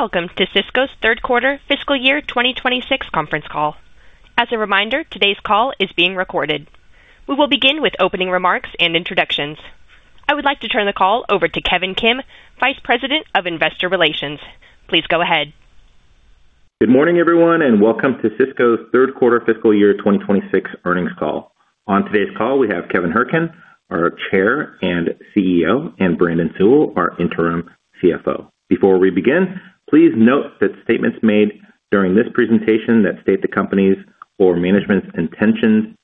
Welcome to Sysco's third quarter fiscal year 2026 conference call. As a reminder, today's call is being recorded. We will begin with opening remarks and introductions. I would like to turn the call over to Kevin Kim, Vice President of Investor Relations. Please go ahead. Good morning, everyone, welcome to Sysco's third quarter fiscal year 2026 earnings call. On today's call, we have Kevin Hourican, our Chair and CEO, and Brandon Sewell, our Interim CFO. Before we begin, please note that statements made during this presentation that state the company's or management's intentions,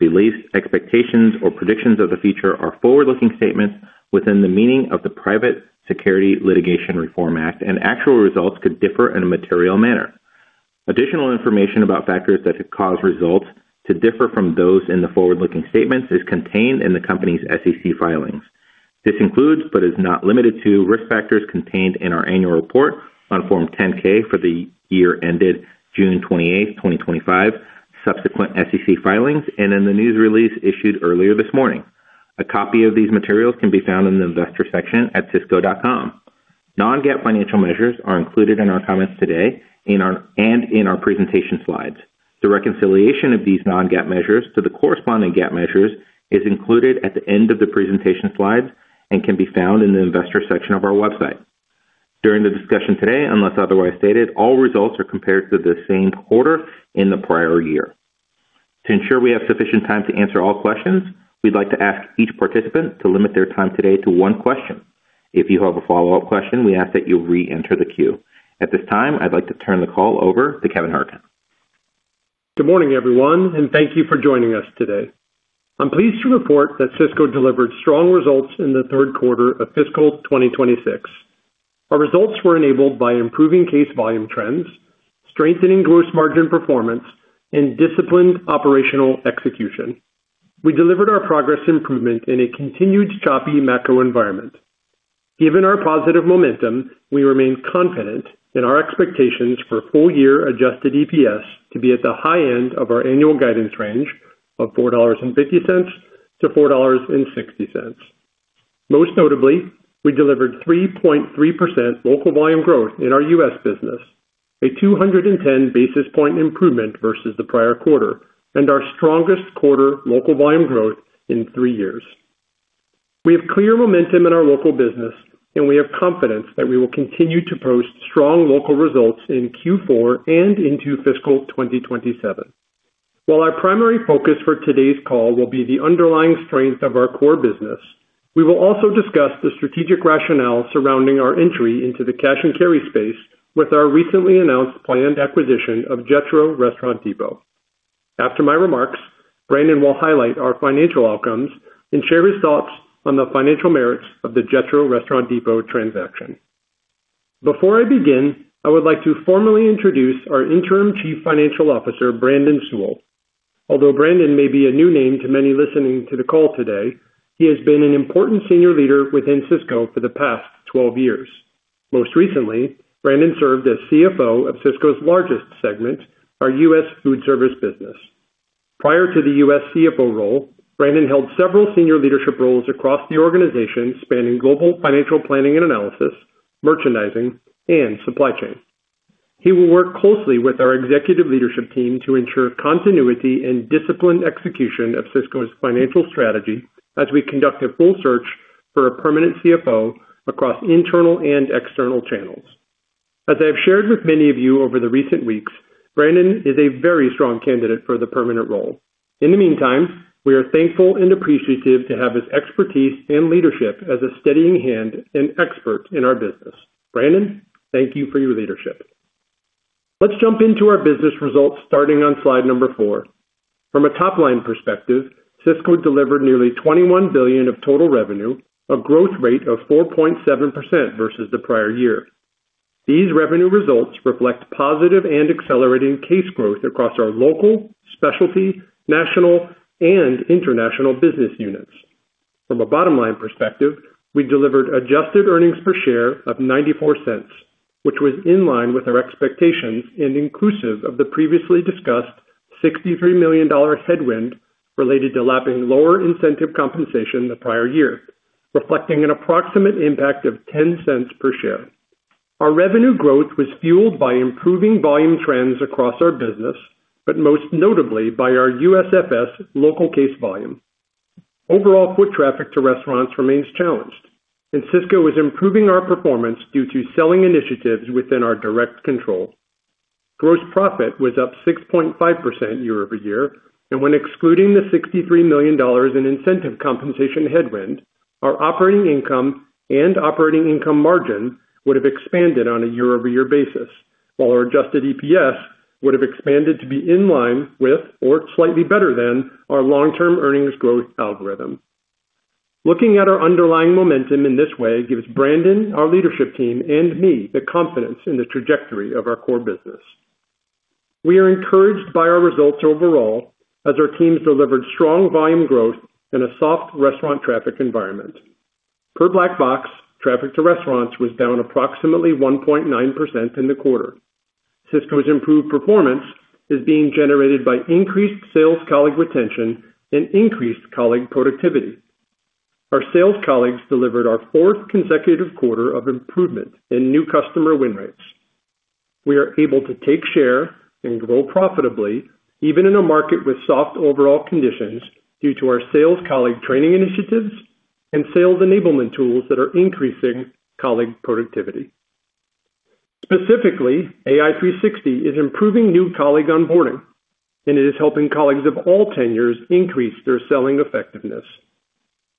beliefs, expectations, or predictions of the future are forward-looking statements within the meaning of the Private Securities Litigation Reform Act, and actual results could differ in a material manner. Additional information about factors that could cause results to differ from those in the forward-looking statements is contained in the company's SEC filings. This includes, but is not limited to, risk factors contained in our annual report on Form 10-K for the year ended June 28, 2025, subsequent SEC filings, and in the news release issued earlier this morning. A copy of these materials can be found in the Investor section at sysco.com. Non-GAAP financial measures are included in our comments today and in our presentation slides. The reconciliation of these non-GAAP measures to the corresponding GAAP measures is included at the end of the presentation slides and can be found in the Investor section of our website. During the discussion today, unless otherwise stated, all results are compared to the same quarter in the prior year. To ensure we have sufficient time to answer all questions, we'd like to ask each participant to limit their time today to one question. If you have a follow-up question, we ask that you re-enter the queue. At this time, I'd like to turn the call over to Kevin Hourican. Good morning, everyone, and thank you for joining us today. I'm pleased to report that Sysco delivered strong results in the third quarter of fiscal 2026. Our results were enabled by improving case volume trends, strengthening gross margin performance, and disciplined operational execution. We delivered our progress improvement in a continued choppy macro environment. Given our positive momentum, we remain confident in our expectations for full-year adjusted EPS to be at the high end of our annual guidance range of $4.50-$4.60. Most notably, we delivered 3.3% local volume growth in our U.S. business, a 210 basis point improvement versus the prior quarter, and our strongest quarter local volume growth in three years. We have clear momentum in our local business, and we have confidence that we will continue to post strong local results in Q4 and into fiscal 2027. While our primary focus for today's call will be the underlying strength of our core business, we will also discuss the strategic rationale surrounding our entry into the cash and carry space with our recently announced planned acquisition of Jetro Restaurant Depot. After my remarks, Brandon will highlight our financial outcomes and share his thoughts on the financial merits of the Jetro Restaurant Depot transaction. Before I begin, I would like to formally introduce our interim Chief Financial Officer, Brandon Sewell. Although Brandon may be a new name to many listening to the call today, he has been an important senior leader within Sysco for the past 12 years. Most recently, Brandon served as CFO of Sysco's largest segment, our US foodservice business. Prior to the U.S. CFO role, Brandon held several senior leadership roles across the organization, spanning global financial planning and analysis, merchandising, and supply chain. He will work closely with our Executive Leadership Team to ensure continuity and disciplined execution of Sysco's financial strategy as we conduct a full search for a permanent CFO across internal and external channels. As I've shared with many of you over the recent weeks, Brandon is a very strong candidate for the permanent role. In the meantime, we are thankful and appreciative to have his expertise and leadership as a steadying hand and expert in our business. Brandon, thank you for your leadership. Let's jump into our business results starting on slide number four. From a top-line perspective, Sysco delivered nearly $21 billion of total revenue, a growth rate of 4.7% versus the prior year. These revenue results reflect positive and accelerating case growth across our local, specialty, national, and international business units. From a bottom-line perspective, we delivered adjusted earnings per share of $0.94, which was in line with our expectations and inclusive of the previously discussed $63 million headwind related to lapping lower incentive compensation the prior year, reflecting an approximate impact of $0.10 per share. Our revenue growth was fueled by improving volume trends across our business, but most notably by our USFS local case volume. Overall, foot traffic to restaurants remains challenged, and Sysco is improving our performance due to selling initiatives within our direct control. Gross profit was up 6.5% year-over-year, and when excluding the $63 million in incentive compensation headwind, our operating income and operating income margin would have expanded on a year-over-year basis. Our adjusted EPS would have expanded to be in line with or slightly better than our long-term earnings growth algorithm. Looking at our underlying momentum in this way gives Brandon, our leadership team, and me the confidence in the trajectory of our core business. We are encouraged by our results overall as our teams delivered strong volume growth in a soft restaurant traffic environment. Per Black Box, traffic to restaurants was down approximately 1.9% in the quarter. Sysco's improved performance is being generated by increased sales colleague retention and increased colleague productivity. Our sales colleagues delivered our fourth consecutive quarter of improvement in new customer win rates. We are able to take share and grow profitably even in a market with soft overall conditions due to our sales colleague training initiatives and sales enablement tools that are increasing colleague productivity. Specifically, AI360 is improving new colleague onboarding, and it is helping colleagues of all tenures increase their selling effectiveness.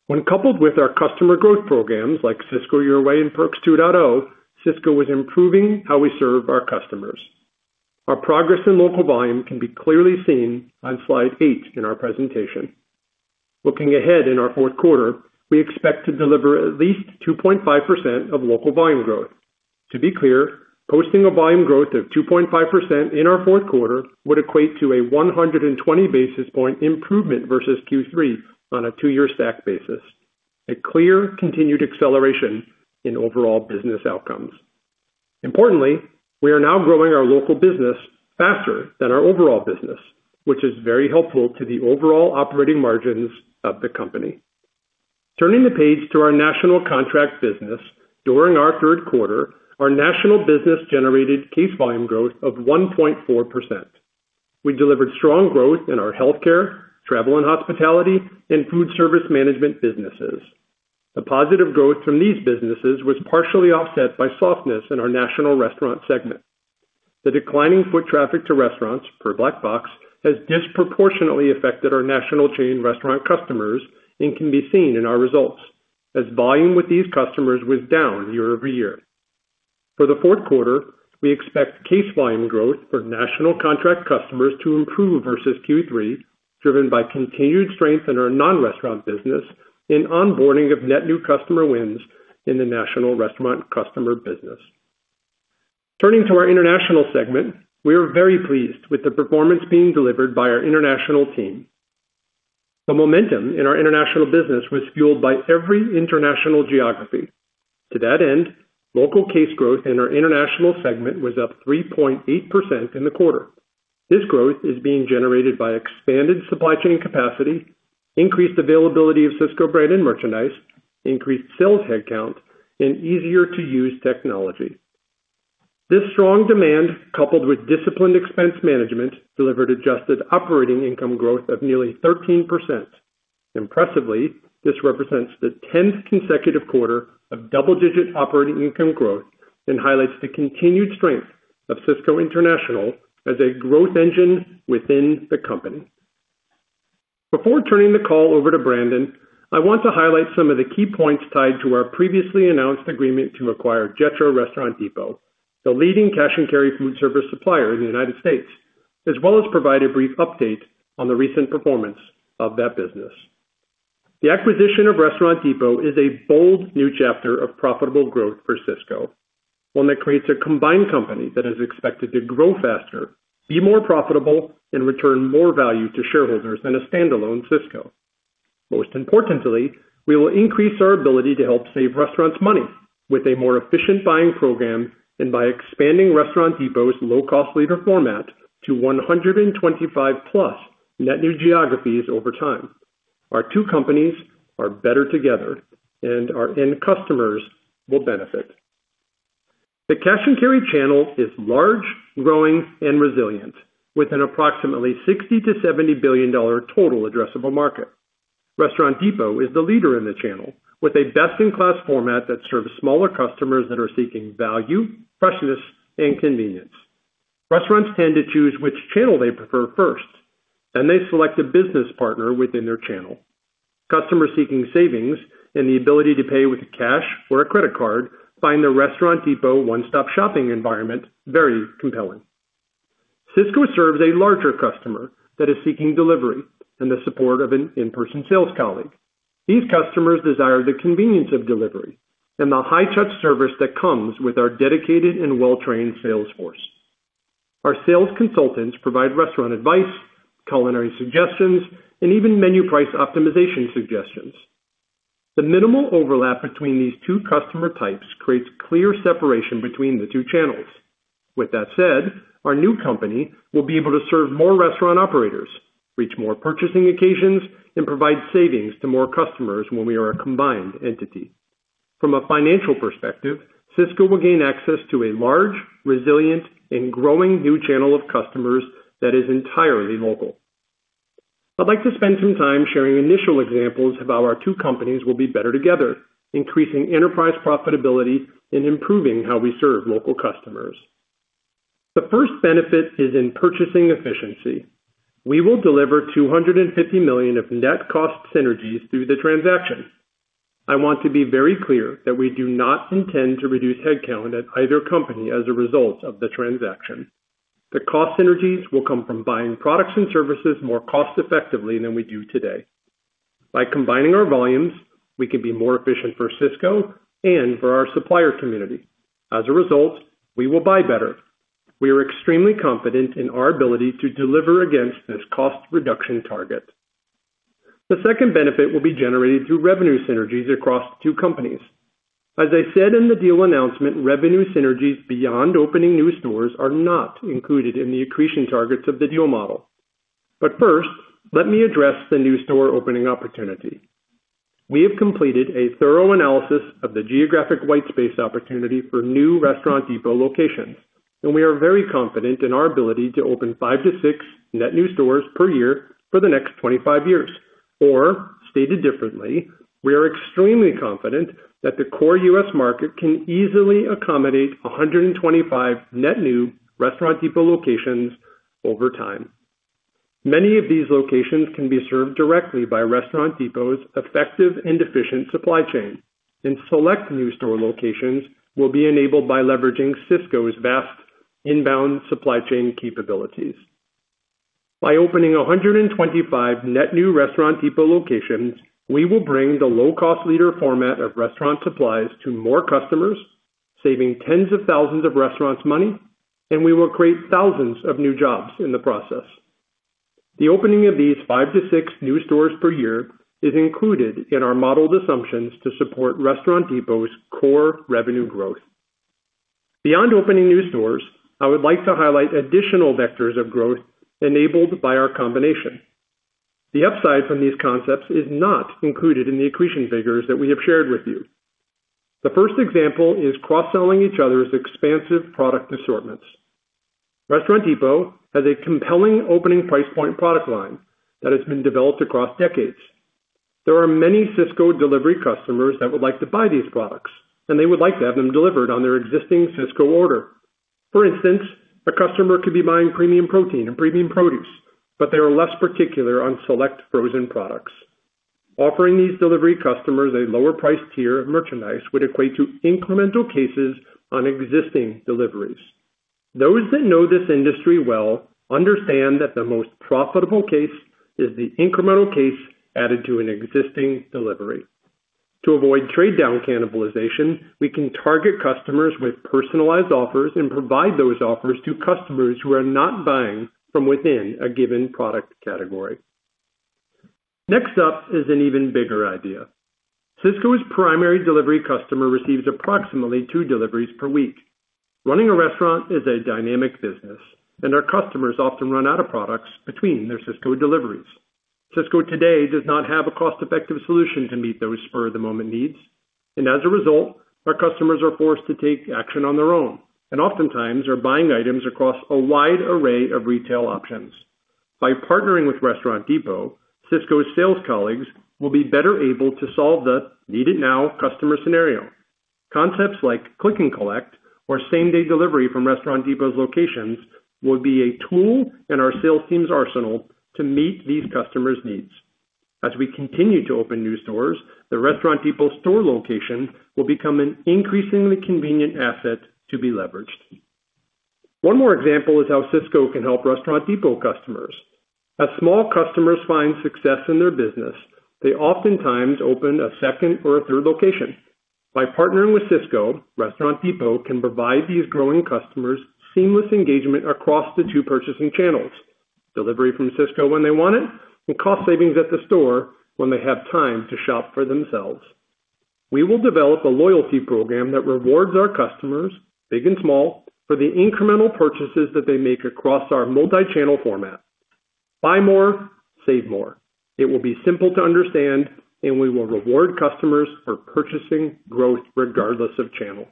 When coupled with our customer growth programs like Sysco Your Way and Perks 2.0, Sysco is improving how we serve our customers. Our progress in local volume can be clearly seen on slide eight in our presentation. Looking ahead in our fourth quarter, we expect to deliver at least 2.5% of local volume growth. To be clear, posting a volume growth of 2.5% in our fourth quarter would equate to a 120 basis point improvement versus Q3 on a two-year stack basis. A clear continued acceleration in overall business outcomes. Importantly, we are now growing our local business faster than our overall business, which is very helpful to the overall operating margins of the company. Turning the page to our national contract business. During our third quarter, our national business generated case volume growth of 1.4%. We delivered strong growth in our healthcare, travel and hospitality, and foodservice management businesses. The positive growth from these businesses was partially offset by softness in our national restaurant segment. The declining foot traffic to restaurants per Black Box has disproportionately affected our national chain restaurant customers and can be seen in our results as volume with these customers was down year-over-year. For the fourth quarter, we expect case volume growth for national contract customers to improve versus Q3, driven by continued strength in our non-restaurant business and onboarding of net new customer wins in the national restaurant customer business. Turning to our international segment, we are very pleased with the performance being delivered by our international team. The momentum in our international business was fueled by every international geography. To that end, local case growth in our international segment was up 3.8% in the quarter. This growth is being generated by expanded supply chain capacity, increased availability of Sysco Brand and merchandise, increased sales headcount, and easier to use technology. This strong demand, coupled with disciplined expense management, delivered adjusted operating income growth of nearly 13%. Impressively, this represents the tenth consecutive quarter of double-digit operating income growth and highlights the continued strength of Sysco International as a growth engine within the company. Before turning the call over to Brandon, I want to highlight some of the key points tied to our previously announced agreement to acquire Jetro Restaurant Depot, the leading cash and carry foodservice supplier in the United States, as well as provide a brief update on the recent performance of that business. The acquisition of Restaurant Depot is a bold new chapter of profitable growth for Sysco. One that creates a combined company that is expected to grow faster, be more profitable, and return more value to shareholders than a standalone Sysco. Most importantly, we will increase our ability to help save restaurants money with a more efficient buying program and by expanding Restaurant Depot's low-cost leader format to 125 plus net new geographies over time. Our two companies are better together and our end customers will benefit. The cash and carry channel is large, growing, and resilient, with an approximately $60 billion-$70 billion total addressable market. Restaurant Depot is the leader in the channel with a best in class format that serves smaller customers that are seeking value, freshness, and convenience. Restaurants tend to choose which channel they prefer first, then they select a business partner within their channel. Customers seeking savings and the ability to pay with cash or a credit card find the Restaurant Depot one-stop shopping environment very compelling. Sysco serves a larger customer that is seeking delivery and the support of an in-person sales colleague. These customers desire the convenience of delivery and the high touch service that comes with our dedicated and well-trained sales force. Our sales consultants provide restaurant advice, culinary suggestions, and even menu price optimization suggestions. The minimal overlap between these two customer types creates clear separation between the two channels. With that said, our new company will be able to serve more restaurant operators, reach more purchasing occasions, and provide savings to more customers when we are a combined entity. From a financial perspective, Sysco will gain access to a large, resilient, and growing new channel of customers that is entirely local. I'd like to spend some time sharing initial examples of how our two companies will be better together, increasing enterprise profitability and improving how we serve local customers. The first benefit is in purchasing efficiency. We will deliver $250 million of net cost synergies through the transaction. I want to be very clear that we do not intend to reduce headcount at either company as a result of the transaction. The cost synergies will come from buying products and services more cost effectively than we do today. By combining our volumes, we can be more efficient for Sysco and for our supplier community. As a result, we will buy better. We are extremely confident in our ability to deliver against this cost reduction target. The second benefit will be generated through revenue synergies across the two companies. As I said in the deal announcement, revenue synergies beyond opening new stores are not included in the accretion targets of the deal model. First, let me address the new store opening opportunity. We have completed a thorough analysis of the geographic white space opportunity for new Restaurant Depot locations, and we are very confident in our ability to open 5 to 6 net new stores per year for the next 25 years. Stated differently, we are extremely confident that the core U.S. market can easily accommodate 125 net new Restaurant Depot locations over time. Many of these locations can be served directly by Restaurant Depot's effective and efficient supply chain. Select new store locations will be enabled by leveraging Sysco's vast inbound supply chain capabilities. By opening 125 net new Restaurant Depot locations, we will bring the low cost leader format of restaurant supplies to more customers, saving tens of thousands of restaurants money, and we will create thousands of new jobs in the process. The opening of these five to six new stores per year is included in our modeled assumptions to support Restaurant Depot's core revenue growth. Beyond opening new stores, I would like to highlight additional vectors of growth enabled by our combination. The upside from these concepts is not included in the accretion figures that we have shared with you. The first example is cross-selling each other's expansive product assortments. Restaurant Depot has a compelling opening price point product line that has been developed across decades. There are many Sysco delivery customers that would like to buy these products, and they would like to have them delivered on their existing Sysco order. For instance, a customer could be buying premium protein and premium produce, but they are less particular on select frozen products. Offering these delivery customers a lower price tier of merchandise would equate to incremental cases on existing deliveries. Those that know this industry well understand that the most profitable case is the incremental case added to an existing delivery. To avoid trade down cannibalization, we can target customers with personalized offers and provide those offers to customers who are not buying from within a given product category. Next up is an even bigger idea. Sysco's primary delivery customer receives approximately two deliveries per week. Running a restaurant is a dynamic business, and our customers often run out of products between their Sysco deliveries. Sysco today does not have a cost-effective solution to meet those spur-of-the-moment needs, and as a result, our customers are forced to take action on their own and oftentimes are buying items across a wide array of retail options. By partnering with Restaurant Depot, Sysco's sales colleagues will be better able to solve the need-it-now customer scenario. Concepts like click and collect or same-day delivery from Restaurant Depot's locations will be a tool in our sales team's arsenal to meet these customers' needs. As we continue to open new stores, the Restaurant Depot store location will become an increasingly convenient asset to be leveraged. One more example is how Sysco can help Restaurant Depot customers. As small customers find success in their business, they oftentimes open a second or a third location. By partnering with Sysco, Restaurant Depot can provide these growing customers seamless engagement across the two purchasing channels, delivery from Sysco when they want it, and cost savings at the store when they have time to shop for themselves. We will develop a loyalty program that rewards our customers, big and small, for the incremental purchases that they make across our multi-channel format. Buy more, save more. It will be simple to understand, and we will reward customers for purchasing growth regardless of channel.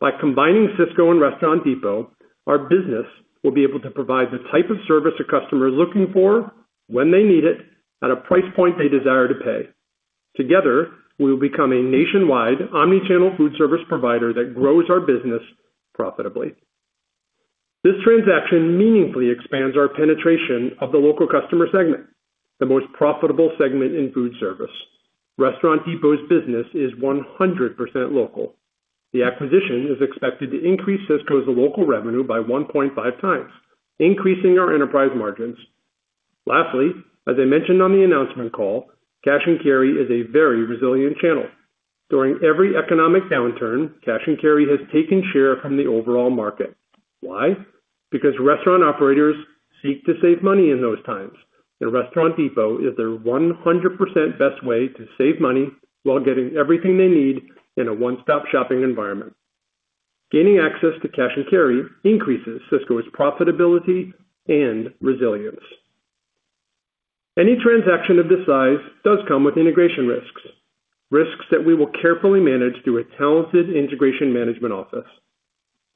By combining Sysco and Restaurant Depot, our business will be able to provide the type of service a customer is looking for when they need it at a price point they desire to pay. Together, we will become a nationwide omnichannel foodservice provider that grows our business profitably. This transaction meaningfully expands our penetration of the local customer segment, the most profitable segment in foodservice. Restaurant Depot's business is 100% local. The acquisition is expected to increase Sysco's local revenue by 1.5x, increasing our enterprise margins. Lastly, as I mentioned on the announcement call, cash and carry is a very resilient channel. During every economic downturn, cash and carry has taken share from the overall market. Why? Restaurant operators seek to save money in those times, and Restaurant Depot is their 100% best way to save money while getting everything they need in a one-stop shopping environment. Gaining access to cash and carry increases Sysco's profitability and resilience. Any transaction of this size does come with integration risks that we will carefully manage through a talented integration management office.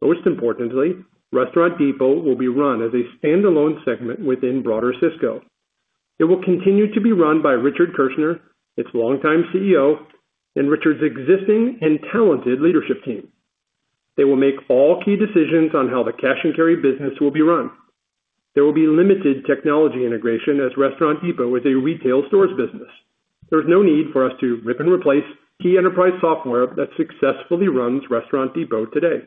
Most importantly, Restaurant Depot will be run as a standalone segment within broader Sysco. It will continue to be run by Richard Kirschner, its longtime CEO, and Richard's existing and talented leadership team. They will make all key decisions on how the cash and carry business will be run. There will be limited technology integration as Restaurant Depot is a retail stores business. There's no need for us to rip and replace key enterprise software that successfully runs Restaurant Depot today.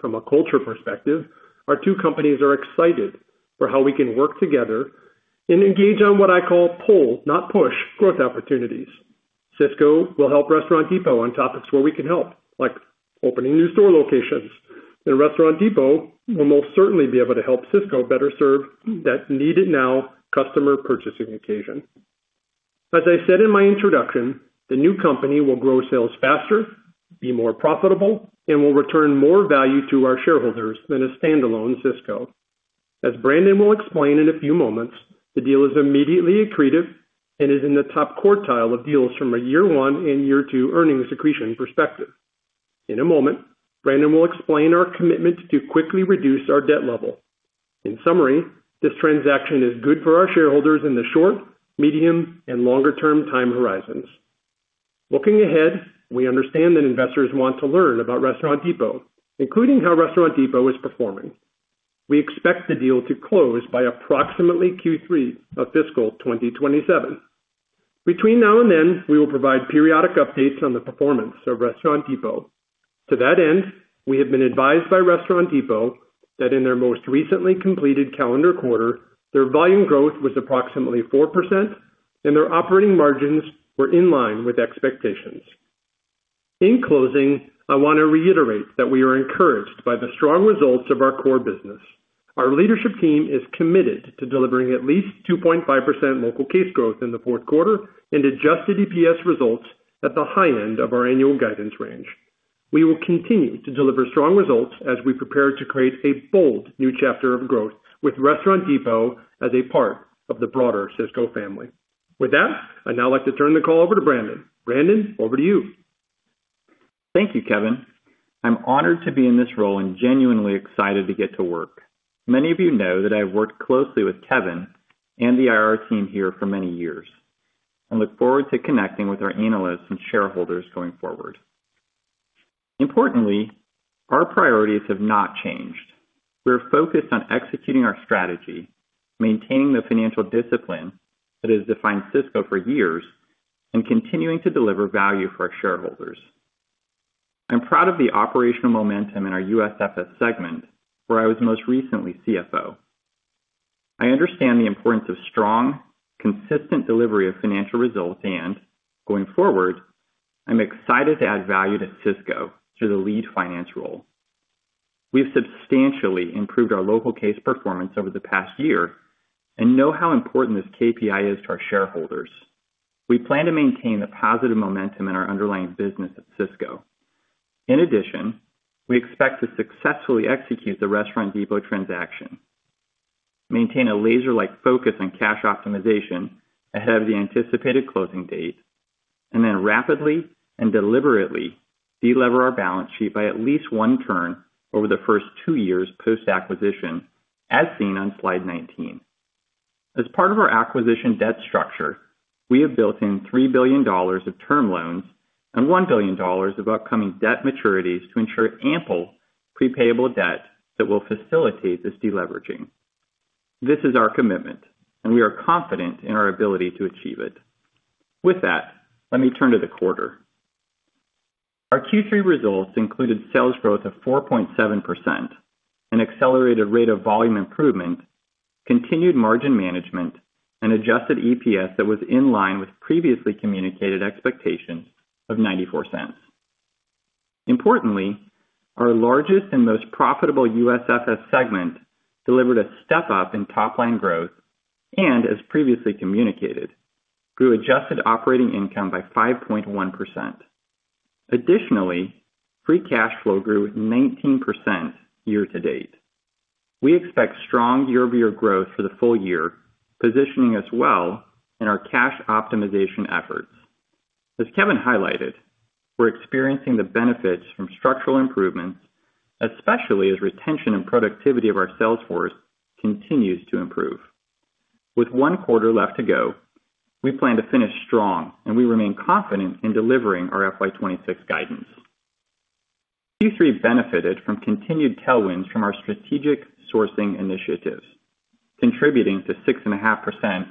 From a culture perspective, our two companies are excited for how we can work together and engage on what I call pull, not push growth opportunities. Sysco will help Restaurant Depot on topics where we can help, like opening new store locations, and Restaurant Depot will most certainly be able to help Sysco better serve that need it now customer purchasing occasion. As I said in my introduction, the new company will grow sales faster, be more profitable, and will return more value to our shareholders than a standalone Sysco. As Brandon will explain in a few moments, the deal is immediately accretive and is in the top quartile of deals from a year one and year two earnings accretion perspective. In a moment, Brandon will explain our commitment to quickly reduce our debt level. In summary, this transaction is good for our shareholders in the short, medium, and longer term time horizons. Looking ahead, we understand that investors want to learn about Restaurant Depot, including how Restaurant Depot is performing. We expect the deal to close by approximately Q3 of fiscal 2027. Between now and then, we will provide periodic updates on the performance of Restaurant Depot. To that end, we have been advised by Restaurant Depot that in their most recently completed calendar quarter, their volume growth was approximately 4% and their operating margins were in line with expectations. In closing, I wanna reiterate that we are encouraged by the strong results of our core business. Our leadership team is committed to delivering at least 2.5% local case growth in the 4th quarter and adjusted EPS results at the high end of our annual guidance range. We will continue to deliver strong results as we prepare to create a bold new chapter of growth with Restaurant Depot as a part of the broader Sysco family. With that, I'd now like to turn the call over to Brandon. Brandon, over to you. Thank you, Kevin. I'm honored to be in this role and genuinely excited to get to work. Many of you know that I worked closely with Kevin and the IR team here for many years. I look forward to connecting with our analysts and shareholders going forward. Importantly, our priorities have not changed. We're focused on executing our strategy, maintaining the financial discipline that has defined Sysco for years, and continuing to deliver value for our shareholders. I'm proud of the operational momentum in our USFS segment, where I was most recently CFO. I understand the importance of strong, consistent delivery of financial results and, going forward, I'm excited to add value to Sysco through the lead finance role. We've substantially improved our local case performance over the past year and know how important this KPI is to our shareholders. We plan to maintain the positive momentum in our underlying business at Sysco. We expect to successfully execute the Restaurant Depot transaction, maintain a laser-like focus on cash optimization ahead of the anticipated closing date, and then rapidly and deliberately de-lever our balance sheet by at least one turn over the first two years post-acquisition, as seen on slide 19. As part of our acquisition debt structure, we have built in $3 billion of term loans and $1 billion of upcoming debt maturities to ensure ample pre-payable debt that will facilitate this de-leveraging. This is our commitment, and we are confident in our ability to achieve it. With that, let me turn to the quarter. Our Q3 results included sales growth of 4.7%, an accelerated rate of volume improvement, continued margin management, and adjusted EPS that was in line with previously communicated expectations of $0.94. Importantly, our largest and most profitable USFS segment delivered a step up in top line growth and, as previously communicated, grew adjusted operating income by 5.1%. Additionally, free cash flow grew 19% year-to-date. We expect strong year-over-year growth for the full year, positioning us well in our cash optimization efforts. As Kevin highlighted, we're experiencing the benefits from structural improvements, especially as retention and productivity of our sales force continues to improve. With one quarter left to go, we plan to finish strong, and we remain confident in delivering our FY 2026 guidance. Q3 benefited from continued tailwinds from our strategic sourcing initiatives, contributing to 6.5%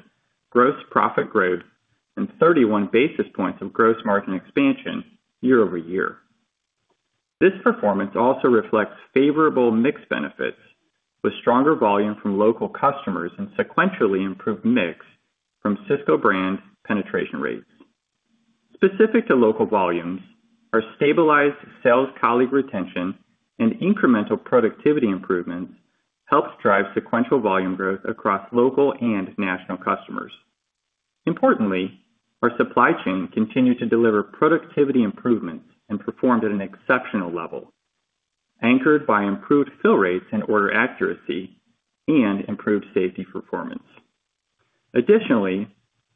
gross profit growth and 31 basis points of gross margin expansion year-over-year. This performance also reflects favorable mix benefits with stronger volume from local customers and sequentially improved mix from Sysco Brand penetration rates. Specific to local volumes, our stabilized sales colleague retention and incremental productivity improvements helps drive sequential volume growth across local and national customers. Importantly, our supply chain continued to deliver productivity improvements and performed at an exceptional level, anchored by improved fill rates and order accuracy and improved safety performance. Additionally,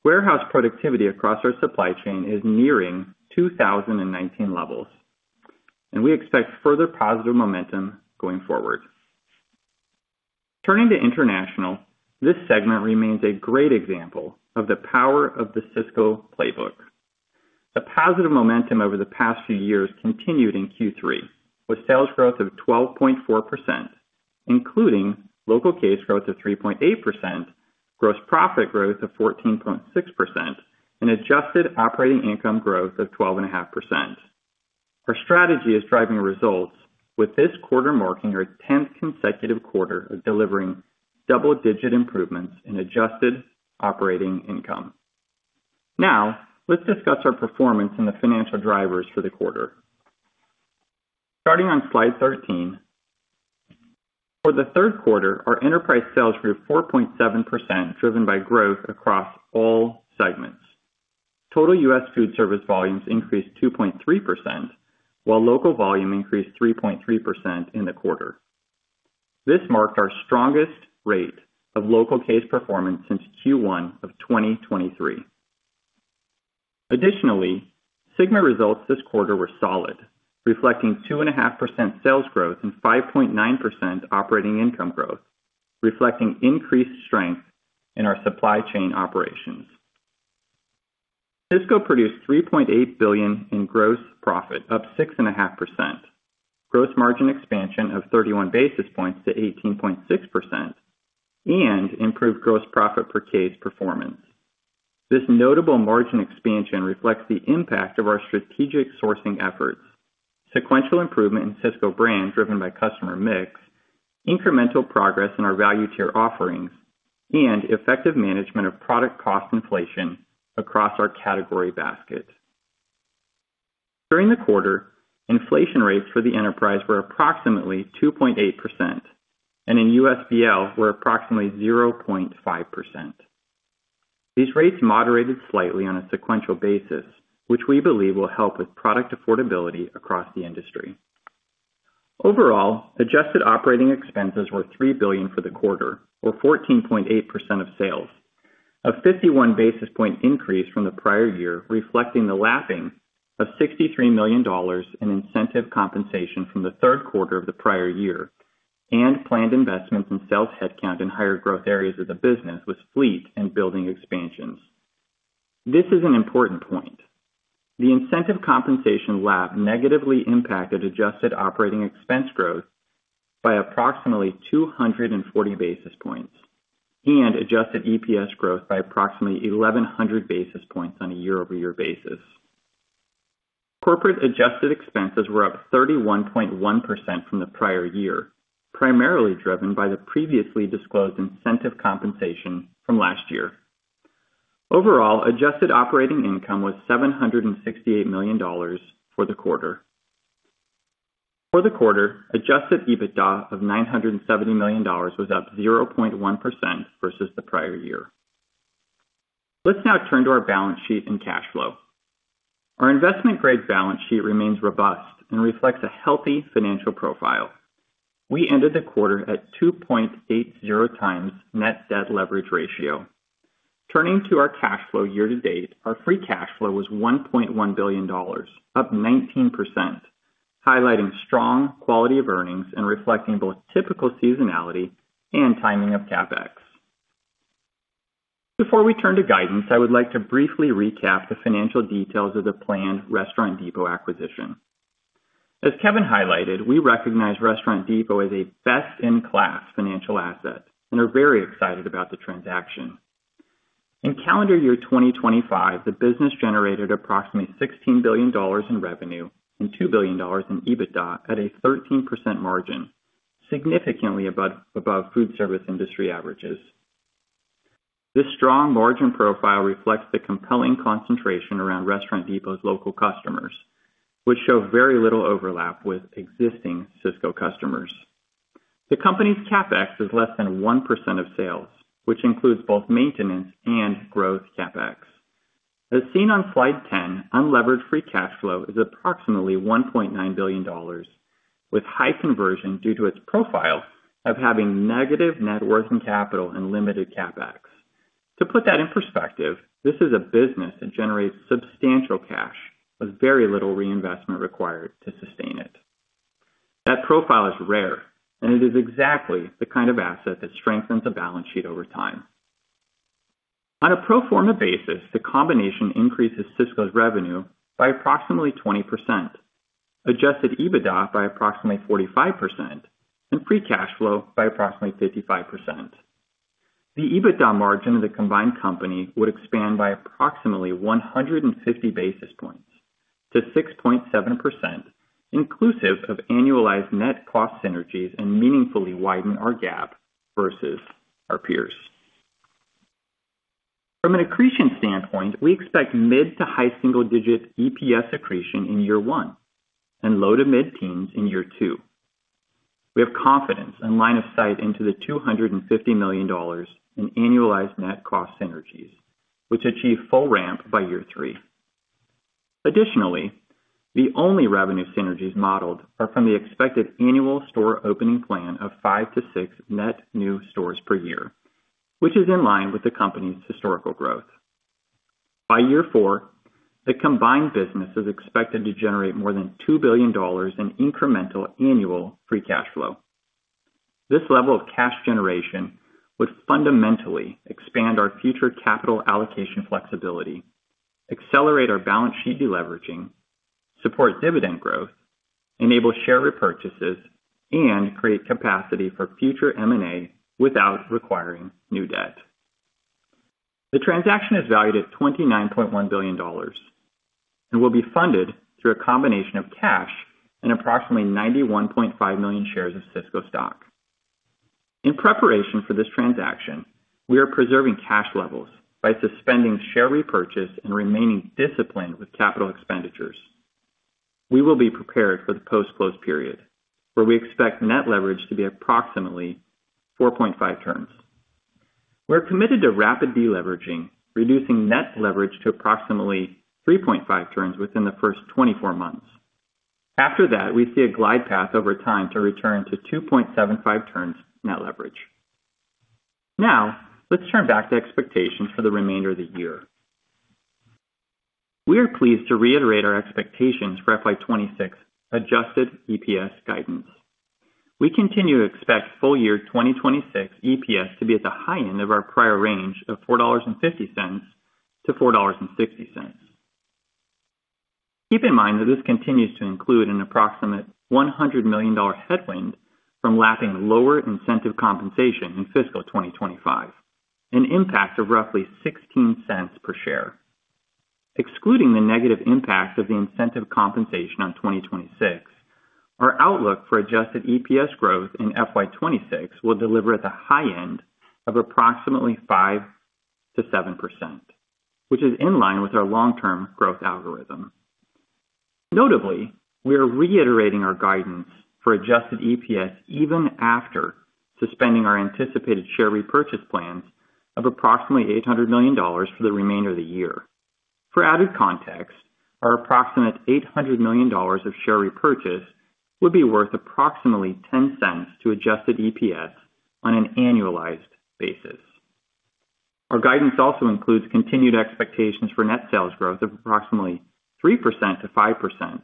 warehouse productivity across our supply chain is nearing 2019 levels, and we expect further positive momentum going forward. Turning to international, this segment remains a great example of the power of the Sysco playbook. The positive momentum over the past few years continued in Q3, with sales growth of 12.4%, including local case growth of 3.8%, gross profit growth of 14.6%, and adjusted operating income growth of 12.5%. Our strategy is driving results with this quarter marking our 10th consecutive quarter of delivering double-digit improvements in adjusted operating income. Let's discuss our performance and the financial drivers for the quarter. Starting on slide 13, for the third quarter, our enterprise sales grew 4.7%, driven by growth across all segments. Total U.S. foodservice volumes increased 2.3%, while local volume increased 3.3% in the quarter. This marked our strongest rate of local case performance since Q1 of 2023. Additionally, segment results this quarter were solid, reflecting 2.5% sales growth and 5.9% operating income growth, reflecting increased strength in our supply chain operations. Sysco produced $3.8 billion in gross profit, up 6.5%, gross margin expansion of 31 basis points to 18.6% and improved gross profit per case performance. This notable margin expansion reflects the impact of our strategic sourcing efforts, sequential improvement in Sysco Brand driven by customer mix, incremental progress in our value tier offerings, and effective management of product cost inflation across our category basket. During the quarter, inflation rates for the enterprise were approximately 2.8% and in USBL were approximately 0.5%. These rates moderated slightly on a sequential basis, which we believe will help with product affordability across the industry. Overall, adjusted operating expenses were $3 billion for the quarter or 14.8% of sales, a 51 basis point increase from the prior year, reflecting the lapping of $63 million in incentive compensation from the third quarter of the prior year and planned investments in sales headcount in higher growth areas of the business with fleet and building expansions. This is an important point. The incentive compensation lap negatively impacted adjusted operating expense growth by approximately 240 basis points and adjusted EPS growth by approximately 1,100 basis points on a year-over-year basis. Corporate adjusted expenses were up 31.1% from the prior year, primarily driven by the previously disclosed incentive compensation from last year. Overall, adjusted operating income was $768 million for the quarter. For the quarter, adjusted EBITDA of $970 million was up 0.1% versus the prior year. Let's now turn to our balance sheet and cash flow. Our investment grade balance sheet remains robust and reflects a healthy financial profile. We ended the quarter at 2.80x net debt leverage ratio. Turning to our cash flow year to date, our free cash flow was $1.1 billion, up 19%, highlighting strong quality of earnings and reflecting both typical seasonality and timing of CapEx. Before we turn to guidance, I would like to briefly recap the financial details of the planned Restaurant Depot acquisition. As Kevin highlighted, we recognize Restaurant Depot as a best-in-class financial asset and are very excited about the transaction. In calendar year 2025, the business generated approximately $16 billion in revenue and $2 billion in EBITDA at a 13% margin, significantly above foodservice industry averages. This strong margin profile reflects the compelling concentration around Restaurant Depot's local customers, which show very little overlap with existing Sysco customers. The company's CapEx is less than 1% of sales, which includes both maintenance and growth CapEx. As seen on slide 10, unlevered free cash flow is approximately $1.9 billion, with high conversion due to its profile of having negative net working capital and limited CapEx. To put that in perspective, this is a business that generates substantial cash with very little reinvestment required to sustain it. That profile is rare, and it is exactly the kind of asset that strengthens a balance sheet over time. On a pro forma basis, the combination increases Sysco's revenue by approximately 20%, adjusted EBITDA by approximately 45% and free cash flow by approximately 55%. The EBITDA margin of the combined company would expand by approximately 150 basis points to 6.7%, inclusive of annualized net cost synergies and meaningfully widen our gap versus our peers. From an accretion standpoint, we expect mid- to high single-digit EPS accretion in year 1 and low- to mid-teens in year 2. We have confidence and line of sight into the $250 million in annualized net cost synergies, which achieve full ramp by year 3. Additionally, the only revenue synergies modeled are from the expected annual store opening plan of five to six net new stores per year, which is in line with the company's historical growth. By year four, the combined business is expected to generate more than $2 billion in incremental annual free cash flow. This level of cash generation would fundamentally expand our future capital allocation flexibility, accelerate our balance sheet deleveraging, support dividend growth, enable share repurchases, and create capacity for future M&A without requiring new debt. The transaction is valued at $29.1 billion and will be funded through a combination of cash and approximately 91.5 million shares of Sysco stock. In preparation for this transaction, we are preserving cash levels by suspending share repurchase and remaining disciplined with capital expenditures. We will be prepared for the post-close period, where we expect net leverage to be approximately 4.5 turns. We're committed to rapid deleveraging, reducing net leverage to approximately 3.5 turns within the first 24 months. After that, we see a glide path over time to return to 2.75 turns net leverage. Now let's turn back to expectations for the remainder of the year. We are pleased to reiterate our expectations for FY 2026 adjusted EPS guidance. We continue to expect full year 2026 EPS to be at the high end of our prior range of $4.50-$4.60. Keep in mind that this continues to include an approximate $100 million headwind from lapping lower incentive compensation in fiscal 2025, an impact of roughly $0.16 per share. Excluding the negative impact of the incentive compensation on 2026, our outlook for adjusted EPS growth in FY 2026 will deliver at the high end of approximately 5%-7%, which is in line with our long-term growth algorithm. Notably, we are reiterating our guidance for adjusted EPS even after suspending our anticipated share repurchase plans of approximately $800 million for the remainder of the year. For added context, our approximate $800 million of share repurchase would be worth approximately $0.10 to adjusted EPS on an annualized basis. Our guidance also includes continued expectations for net sales growth of approximately 3%-5%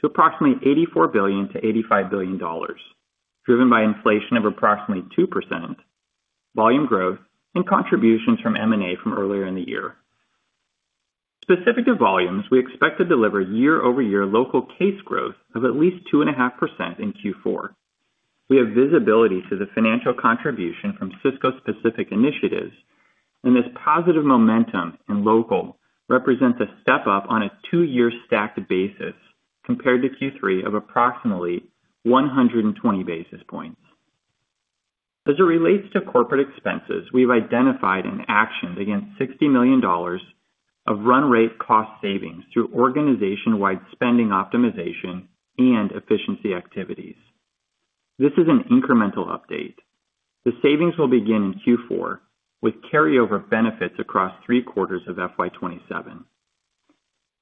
to approximately $84 billion-$85 billion, driven by inflation of approximately 2%, volume growth, and contributions from M&A from earlier in the year. Specific to volumes, we expect to deliver year-over-year local case growth of at least 2.5% in Q4. We have visibility to the financial contribution from Sysco-specific initiatives. This positive momentum in local represents a step-up on a two-year stacked basis compared to Q3 of approximately 120 basis points. As it relates to corporate expenses, we've identified and actioned against $60 million of run rate cost savings through organization-wide spending optimization and efficiency activities. This is an incremental update. The savings will begin in Q4 with carryover benefits across 3 quarters of FY 2027.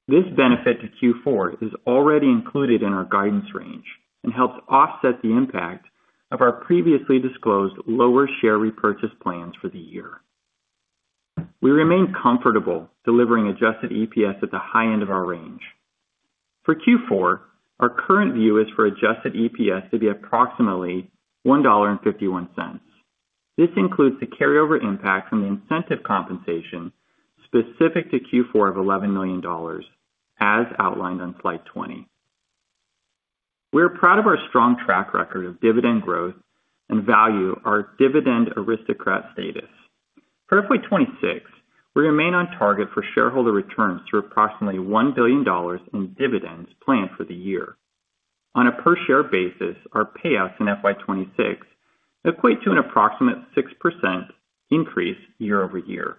This benefit to Q4 is already included in our guidance range and helps offset the impact of our previously disclosed lower share repurchase plans for the year. We remain comfortable delivering adjusted EPS at the high end of our range. For Q4, our current view is for adjusted EPS to be approximately $1.51. This includes the carryover impact from the incentive compensation specific to Q4 of $11 million as outlined on slide 20. We are proud of our strong track record of dividend growth and value our Dividend Aristocrat status. For FY 2026, we remain on target for shareholder returns through approximately $1 billion in dividends planned for the year. On a per share basis, our payouts in FY 2026 equate to an approximate 6% increase year-over-year.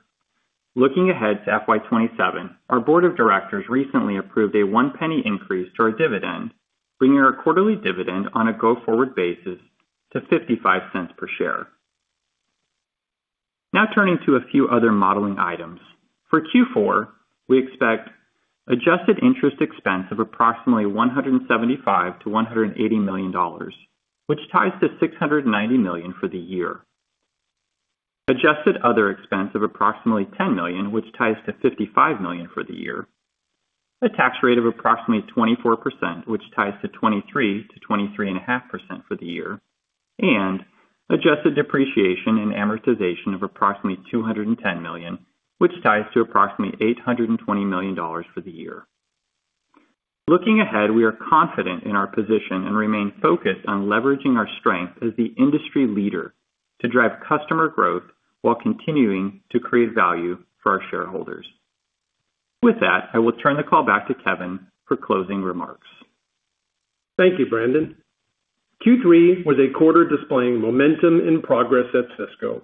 Looking ahead to FY 2027, our board of directors recently approved a $0.01 increase to our dividend, bringing our quarterly dividend on a go-forward basis to $0.55 per share. Now turning to a few other modeling items. For Q4, we expect adjusted interest expense of approximately $175 million-$180 million, which ties to $690 million for the year. Adjusted other expense of approximately $10 million, which ties to $55 million for the year. A tax rate of approximately 24%, which ties to 23%-23.5% for the year. Adjusted depreciation in amortization of approximately $210 million, which ties to approximately $820 million for the year. Looking ahead, we are confident in our position and remain focused on leveraging our strength as the industry leader to drive customer growth while continuing to create value for our shareholders. With that, I will turn the call back to Kevin for closing remarks. Thank you, Brandon. Q3 was a quarter displaying momentum and progress at Sysco.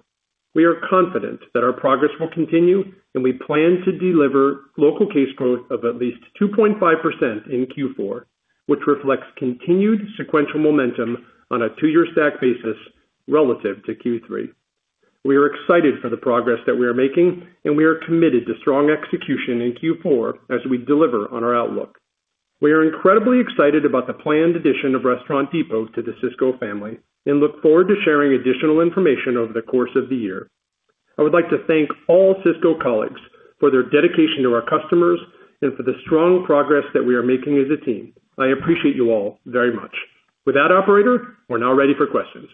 We are confident that our progress will continue, and we plan to deliver local case growth of at least 2.5% in Q4, which reflects continued sequential momentum on a two-year stack basis relative to Q3. We are excited for the progress that we are making, and we are committed to strong execution in Q4 as we deliver on our outlook. We are incredibly excited about the planned addition of Restaurant Depot to the Sysco family and look forward to sharing additional information over the course of the year. I would like to thank all Sysco colleagues for their dedication to our customers and for the strong progress that we are making as a team. I appreciate you all very much. With that operator, we're now ready for questions.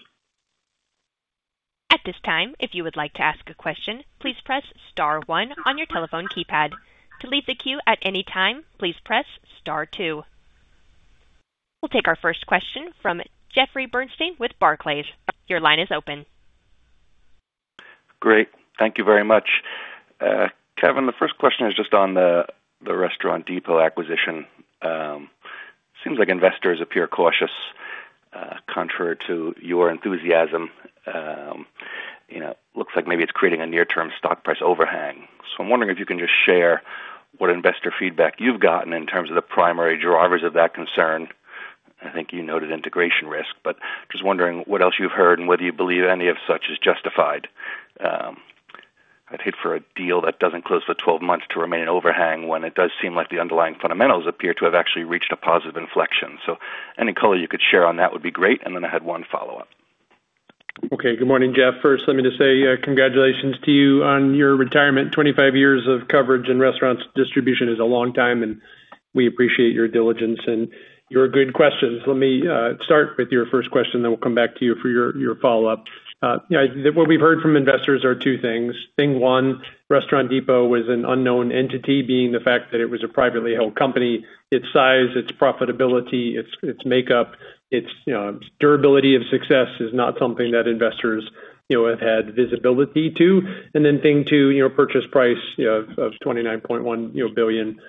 We'll take our first question from Jeffrey Bernstein with Barclays. Your line is open. Great. Thank you very much. Kevin, the first question is just on the Restaurant Depot acquisition. Seems like investors appear cautious, contrary to your enthusiasm. You know, looks like maybe it's creating a near term stock price overhang. I'm wondering if you can just share what investor feedback you've gotten in terms of the primary drivers of that concern. I think you noted integration risk, but just wondering what else you've heard and whether you believe any of such is justified. I'd hit for a deal that doesn't close for 12 months to remain an overhang when it does seem like the underlying fundamentals appear to have actually reached a positive inflection. Any color you could share on that would be great, and then I had one follow-up. Okay, good morning, Jeff. First, let me just say, congratulations to you on your retirement. 25 years of coverage in restaurants distribution is a long time, and we appreciate your diligence and your good questions. Let me start with your first question, then we'll come back to you for your follow-up. What we've heard from investors are two things. Thing one, Restaurant Depot was an unknown entity, being the fact that it was a privately held company. Its size, its profitability, its makeup, its, you know, its durability of success is not something that investors, you know, have had visibility to. Thing two, you know, purchase price of $29.1 billion,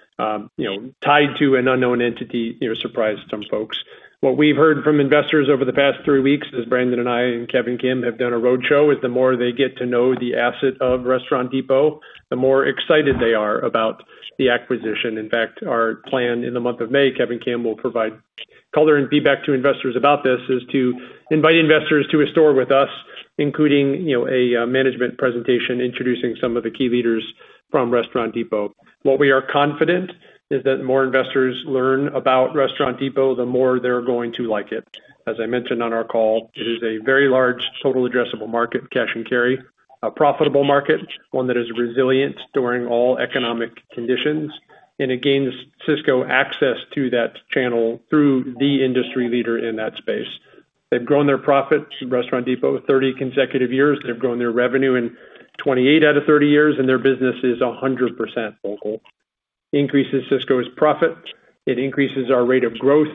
you know, tied to an unknown entity, you know, surprised some folks. What we've heard from investors over the past three weeks, as Brandon and I and Kevin Kim have done a roadshow, is the more they get to know the asset of Restaurant Depot, the more excited they are about the acquisition. In fact, our plan in the month of May, Kevin Kim will provide color and feedback to investors about this, is to invite investors to a store with us, including, you know, a management presentation introducing some of the key leaders from Restaurant Depot. What we are confident is that the more investors learn about Restaurant Depot, the more they're going to like it. As I mentioned on our call, it is a very large total addressable market, cash and carry, a profitable market, one that is resilient during all economic conditions. It gains Sysco access to that channel through the industry leader in that space. They've grown their profits, Restaurant Depot, 30 consecutive years. They've grown their revenue in 28 out of 30 years, and their business is 100% local. Increases Sysco's profit, it increases our rate of growth,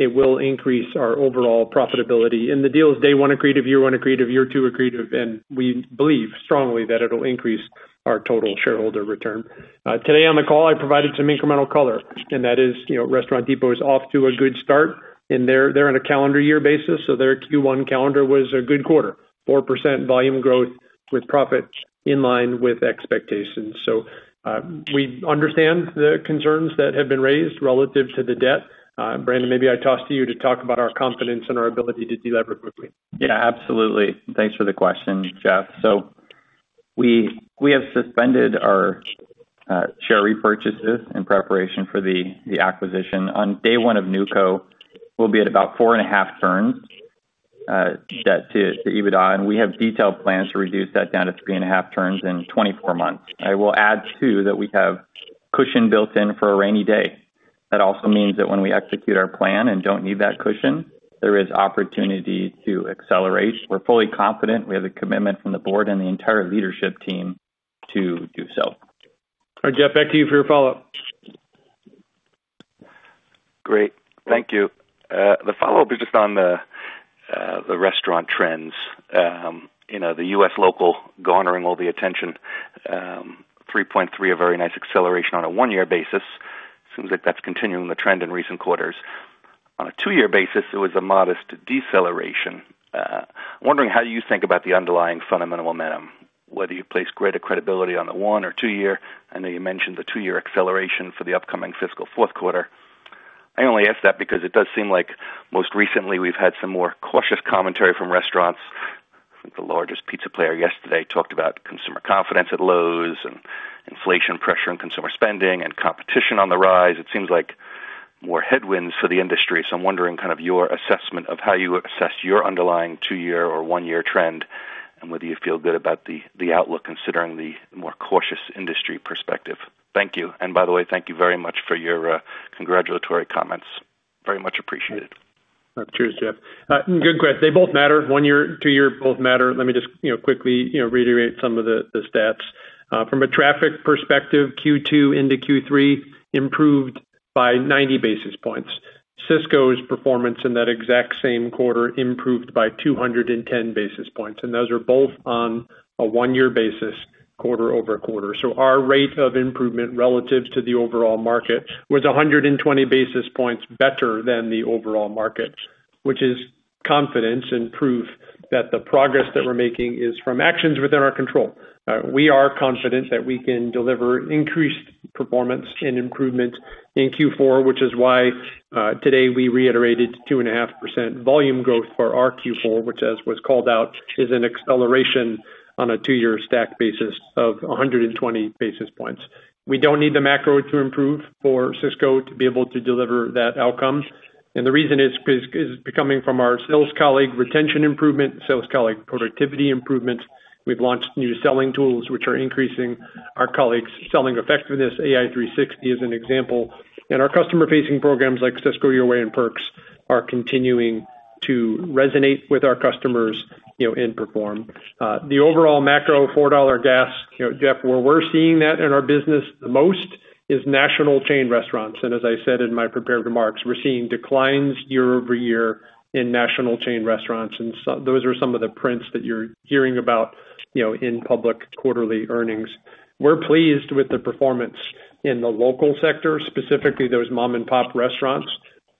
it will increase our overall profitability. The deal is day 1 accretive, year 1 accretive, year 2 accretive, and we believe strongly that it'll increase our total shareholder return. Today on the call, I provided some incremental color, and that is, you know, Restaurant Depot is off to a good start. They're on a calendar year basis, so their Q1 calendar was a good quarter, 4% volume growth with profits in line with expectations. We understand the concerns that have been raised relative to the debt. Brandon, maybe I toss to you to talk about our confidence and our ability to delever quickly. Yeah, absolutely. Thanks for the question, Jeff. We have suspended our share repurchases in preparation for the acquisition. On day one of NewCo, we'll be at about four and a half turns debt to EBITDA, and we have detailed plans to reduce that down to three and a half turns in 24 months. I will add too that we have cushion built in for a rainy day. That also means that when we execute our plan and don't need that cushion, there is opportunity to accelerate. We're fully confident. We have the commitment from the board and the entire leadership team to do so. All right, Jeff, back to you for your follow-up. Great. Thank you. The follow-up is just on the restaurant trends. You know, the U.S. local garnering all the attention, 3.3, a very nice acceleration on a 1-year basis. Seems like that's continuing the trend in recent quarters. On a 2-year basis, it was a modest deceleration. I'm wondering how you think about the underlying fundamental momentum, whether you place greater credibility on the one or two year. I know you mentioned the two-year acceleration for the upcoming fiscal 4th quarter. I only ask that because it does seem like most recently we've had some more cautious commentary from restaurants. I think the largest pizza player yesterday talked about consumer confidence at lows and inflation pressure on consumer spending and competition on the rise. It seems like more headwinds for the industry. I'm wondering kind of your assessment of how you assess your underlying two-year or one-year trend and whether you feel good about the outlook considering the more cautious industry perspective. Thank you. By the way, thank you very much for your congratulatory comments. Very much appreciated. Cheers, Jeff. Good quest. They both matter. One year, two year, both matter. Let me just quickly reiterate some of the stats. From a traffic perspective, Q2 into Q3 improved by 90 basis points. Sysco's performance in that exact same quarter improved by 210 basis points. Those are both on a one-year basis, quarter-over-quarter. Our rate of improvement relative to the overall market was 120 basis points better than the overall market, which is confidence and proof that the progress that we're making is from actions within our control. We are confident that we can deliver increased performance and improvement in Q4, which is why today we reiterated 2.5% volume growth for our Q4, which as was called out, is an acceleration on a 2-year stack basis of 120 basis points. We don't need the macro to improve for Sysco to be able to deliver that outcome. The reason is coming from our sales colleague retention improvement, sales colleague productivity improvements. We've launched new selling tools which are increasing our colleagues' selling effectiveness. AI360 is an example. Our customer-facing programs like Sysco Your Way and Perks are continuing to resonate with our customers, you know, and perform. The overall macro, $4 gas, you know, Jeff, where we're seeing that in our business the most is national chain restaurants. As I said in my prepared remarks, we're seeing declines year-over-year in national chain restaurants. Those are some of the prints that you're hearing about, you know, in public quarterly earnings. We're pleased with the performance in the local sector, specifically those mom-and-pop restaurants.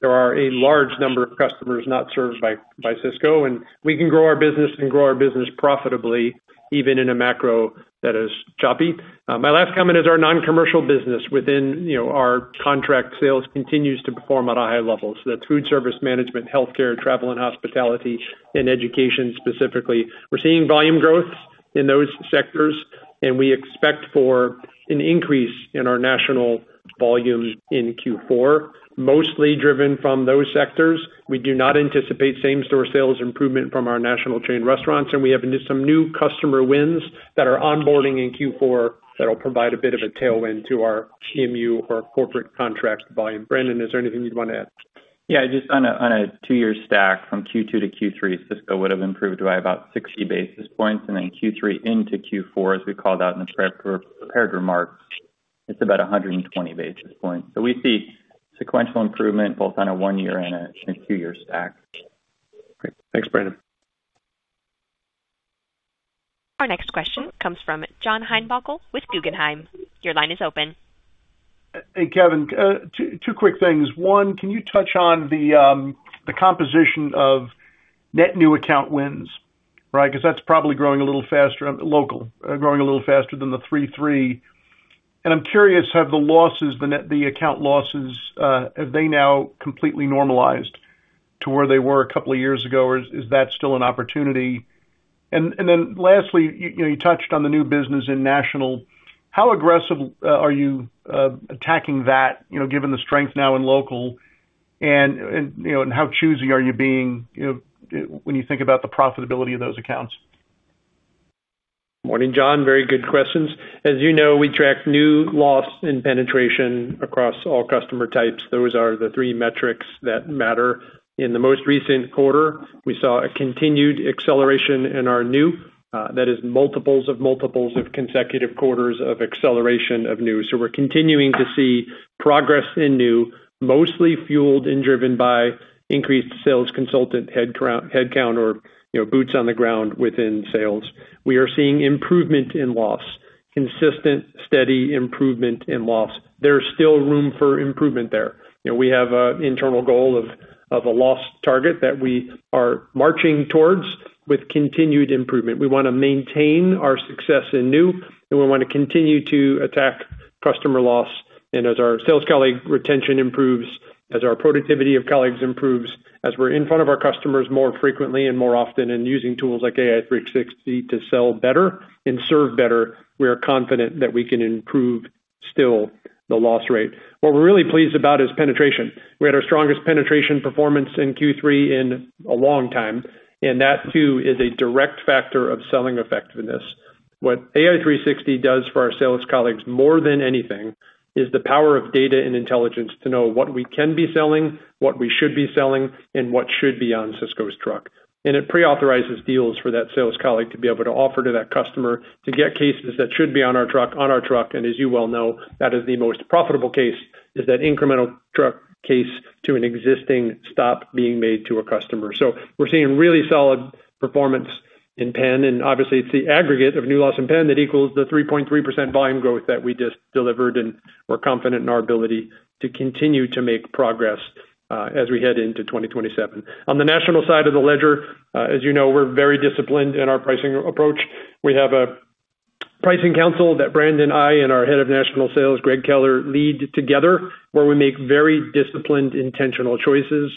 There are a large number of customers not served by Sysco, and we can grow our business and grow our business profitably even in a macro that is choppy. My last comment is our non-commercial business within, you know, our contract sales continues to perform at a high level. That's food service management, healthcare, travel and hospitality, and education specifically. We're seeing volume growth in those sectors, and we expect for an increase in our national volumes in Q4, mostly driven from those sectors. We do not anticipate same-store sales improvement from our national chain restaurants, and we have some new customer wins that are onboarding in Q4 that'll provide a bit of a tailwind to our TMU or our corporate contracts volume. Brandon, is there anything you'd wanna add? Yeah, just on a two-year stack from Q2 to Q3, Sysco would have improved by about 60 basis points. Q3 into Q4, as we called out in the prepared remarks, it's about 120 basis points. We see sequential improvement both on a one year and a two-year stack. Great. Thanks, Brandon. Our next question comes from John Heinbockel with Guggenheim. Your line is open. Hey, Kevin. 2 quick things. One, can you touch on the composition of net new account wins, right? 'Cause that's probably growing a little faster-- local, growing a little faster than the 3-3. I'm curious, have the losses, the account losses, have they now completely normalized to where they were a couple of years ago, or is that still an opportunity? Then lastly, you know, you touched on the new business in national. How aggressive are you attacking that, you know, given the strength now in local? You know, how choosy are you being, you know, when you think about the profitability of those accounts? Morning, John. Very good questions. As you know, we track new loss and penetration across all customer types. Those are the 3 metrics that matter. In the most recent quarter, we saw a continued acceleration in our new, that is multiples of multiples of consecutive quarters of acceleration of new. We're continuing to see progress in new, mostly fueled and driven by increased sales consultant headcount or, you know, boots on the ground within sales. We are seeing improvement in loss. Consistent, steady improvement in loss. There's still room for improvement there. You know, we have a internal goal of a loss target that we are marching towards with continued improvement. We wanna maintain our success in new, we wanna continue to attack customer loss. As our sales colleague retention improves, as our productivity of colleagues improves, as we're in front of our customers more frequently and more often and using tools like AI360 to sell better and serve better, we are confident that we can improve still the loss rate. What we're really pleased about is penetration. We had our strongest penetration performance in Q3 in a long time, and that too is a direct factor of selling effectiveness. What AI360 does for our sales colleagues more than anything is the power of data and intelligence to know what we can be selling, what we should be selling, and what should be on Sysco's truck. It pre-authorizes deals for that sales colleague to be able to offer to that customer to get cases that should be on our truck on our truck. As you well know, that is the most profitable case, is that incremental truck case to an existing stop being made to a customer. We're seeing really solid performance in pen, and obviously it's the aggregate of new loss in pen that equals the 3.3% volume growth that we just delivered, and we're confident in our ability to continue to make progress as we head into 2027. On the national side of the ledger, as you know, we're very disciplined in our pricing approach. We have a pricing council that Brandon, I, and our head of national sales, Greg Keller, lead together, where we make very disciplined, intentional choices.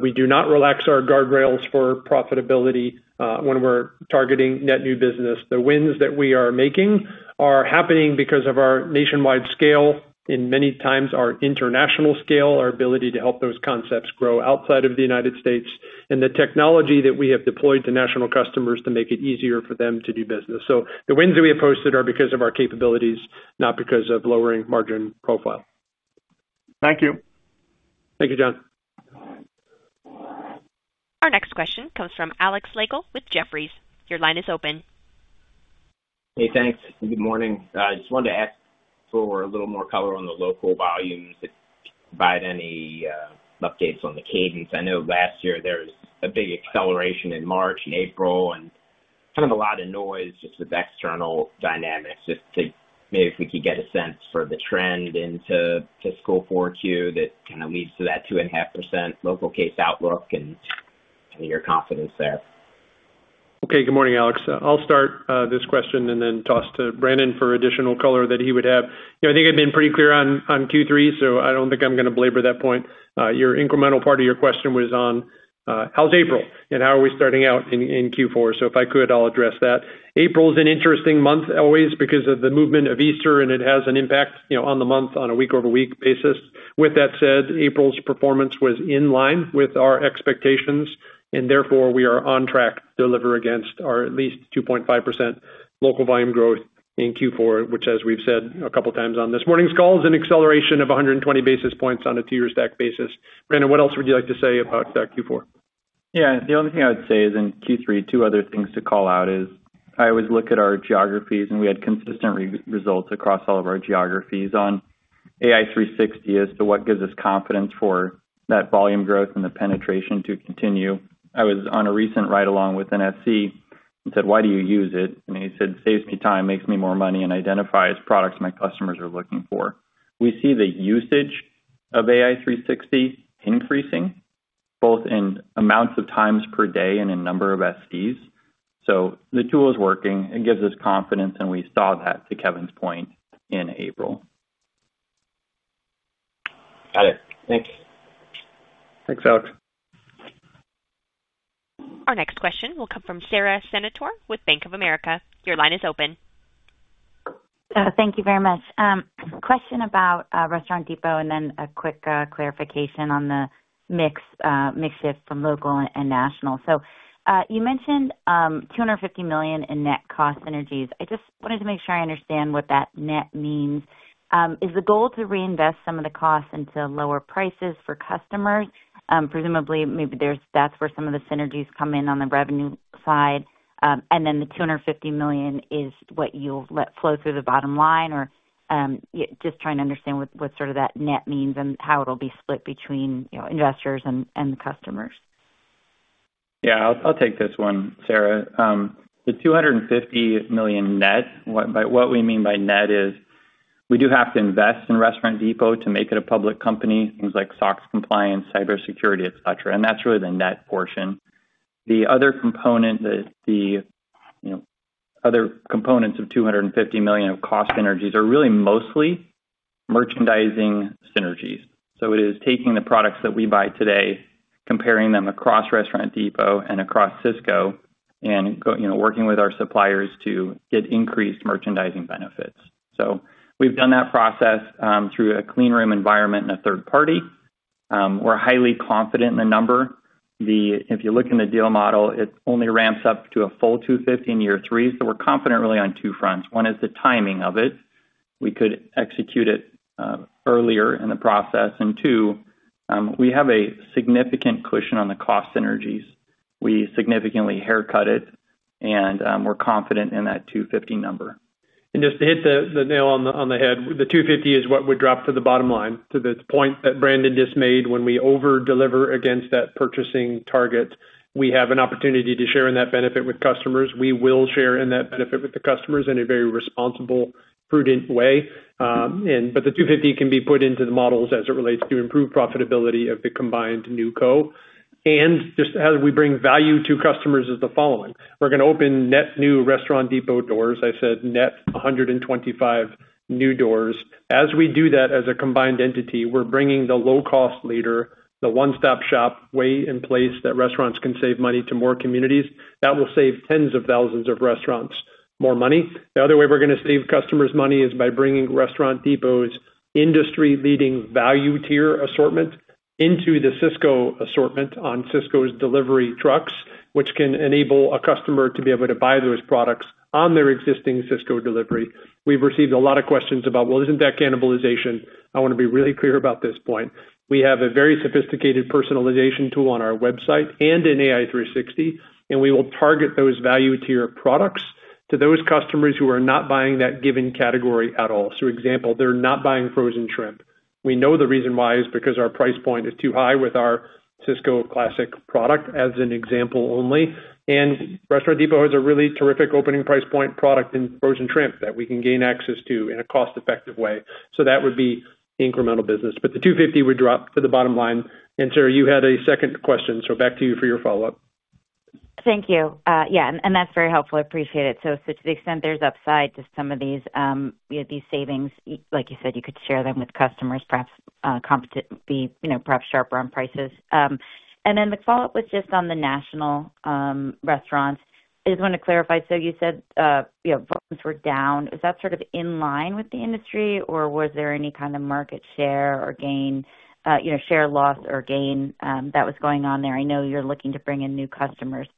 We do not relax our guardrails for profitability when we're targeting net new business. The wins that we are making are happening because of our nationwide scale, in many times our international scale, our ability to help those concepts grow outside of the United States, and the technology that we have deployed to national customers to make it easier for them to do business. The wins that we have posted are because of our capabilities, not because of lowering margin profile. Thank you. Thank you, John. Our next question comes from Alex Slagle with Jefferies. Your line is open. Hey, thanks. Good morning. I just wanted to ask for a little more color on the local volumes, if you can provide any updates on the cadence. I know last year there was a big acceleration in March and April and kind of a lot of noise just with external dynamics. Maybe if we could get a sense for the trend into fiscal 4Q that kind of leads to that 2.5% local case outlook and your confidence there. Okay. Good morning, Alex Slagle. I'll start this question and then toss to Brandon for additional color that he would have. You know, I think I've been pretty clear on Q3, so I don't think I'm gonna belabor that point. Your incremental part of your question was on how's April and how are we starting out in Q4? If I could, I'll address that. April's an interesting month always because of the movement of Easter, and it has an impact, you know, on the month on a week-over-week basis. With that said, April's performance was in line with our expectations, therefore we are on track to deliver against our at least 2.5% local volume growth in Q4, which as we've said a couple times on this morning's call, is an acceleration of 120 basis points on a two-year stack basis. Brandon, what else would you like to say about Q4? The only thing I would say is in Q3, two other things to call out is I always look at our geographies. We had consistent results across all of our geographies on AI360 as to what gives us confidence for that volume growth and the penetration to continue. I was on a recent ride along with an FC and said, "Why do you use it?" He said, "Saves me time, makes me more money, and identifies products my customers are looking for." We see the usage of AI360 increasing both in amounts of times per day and in number of SDs. The tool is working, it gives us confidence, and we saw that, to Kevin's point, in April. Got it. Thanks. Thanks, Alex. Our next question will come from Sara Senatore with Bank of America. Your line is open. Thank you very much. Question about Restaurant Depot and then a quick clarification on the mix shift from local and national. You mentioned $250 million in net cost synergies. I just wanted to make sure I understand what that net means. Is the goal to reinvest some of the costs into lower prices for customers? Presumably, maybe that's where some of the synergies come in on the revenue side. The $250 million is what you'll let flow through the bottom line or, just trying to understand what sort of that net means and how it'll be split between, you know, investors and the customers. Yeah. I'll take this one, Sara. The $250 million net, what we mean by net is we do have to invest in Restaurant Depot to make it a public company. Things like SOX compliance, cybersecurity, et cetera. That's really the net portion. The other component that the, you know, other components of $250 million of cost synergies are really mostly merchandising synergies. It is taking the products that we buy today, comparing them across Restaurant Depot and across Sysco and you know, working with our suppliers to get increased merchandising benefits. We've done that process through a clean room environment and a third party. We're highly confident in the number. If you look in the deal model, it only ramps up to a full 250 in year three. We're confident really on two fronts. One is the timing of it. We could execute it earlier in the process. Two, we have a significant cushion on the cost synergies. We significantly haircut it, and we're confident in that 250 number. Just to hit the nail on the head, the 250 is what would drop to the bottom line. To the point that Brandon just made, when we overdeliver against that purchasing target, we have an opportunity to share in that benefit with customers. We will share in that benefit with the customers in a very responsible, prudent way. The 250 can be put into the models as it relates to improved profitability of the combined NewCo. Just as we bring value to customers is the following. We're gonna open net new Restaurant Depot doors. I said net 125 new doors. As we do that as a combined entity, we're bringing the low cost leader, the one-stop shop way in place that restaurants can save money to more communities. That will save tens of thousands of restaurants more money. The other way we're gonna save customers money is by bringing Restaurant Depot's industry-leading value tier assortment into the Sysco assortment on Sysco's delivery trucks, which can enable a customer to be able to buy those products on their existing Sysco delivery. We've received a lot of questions about, "Well, isn't that cannibalization?" I wanna be really clear about this point. We have a very sophisticated personalization tool on our website and in AI360, we will target those value tier products to those customers who are not buying that given category at all. Example, they're not buying frozen shrimp. We know the reason why is because our price point is too high with our Sysco Classic product, as an example only. Restaurant Depot has a really terrific opening price point product in frozen shrimp that we can gain access to in a cost-effective way. That would be incremental business. The $250 would drop to the bottom line. Sara, you had a second question, back to you for your follow-up. Thank you. Yeah, that's very helpful. I appreciate it. To the extent there's upside to some of these savings, like you said, you could share them with customers, perhaps, you know, perhaps sharper on prices. The follow-up was just on the national restaurants. I just wanna clarify. You said, you know, volumes were down. Is that sort of in line with the industry, or was there any kind of market share or gain, you know, share loss or gain that was going on there? I know you're looking to bring in new customers,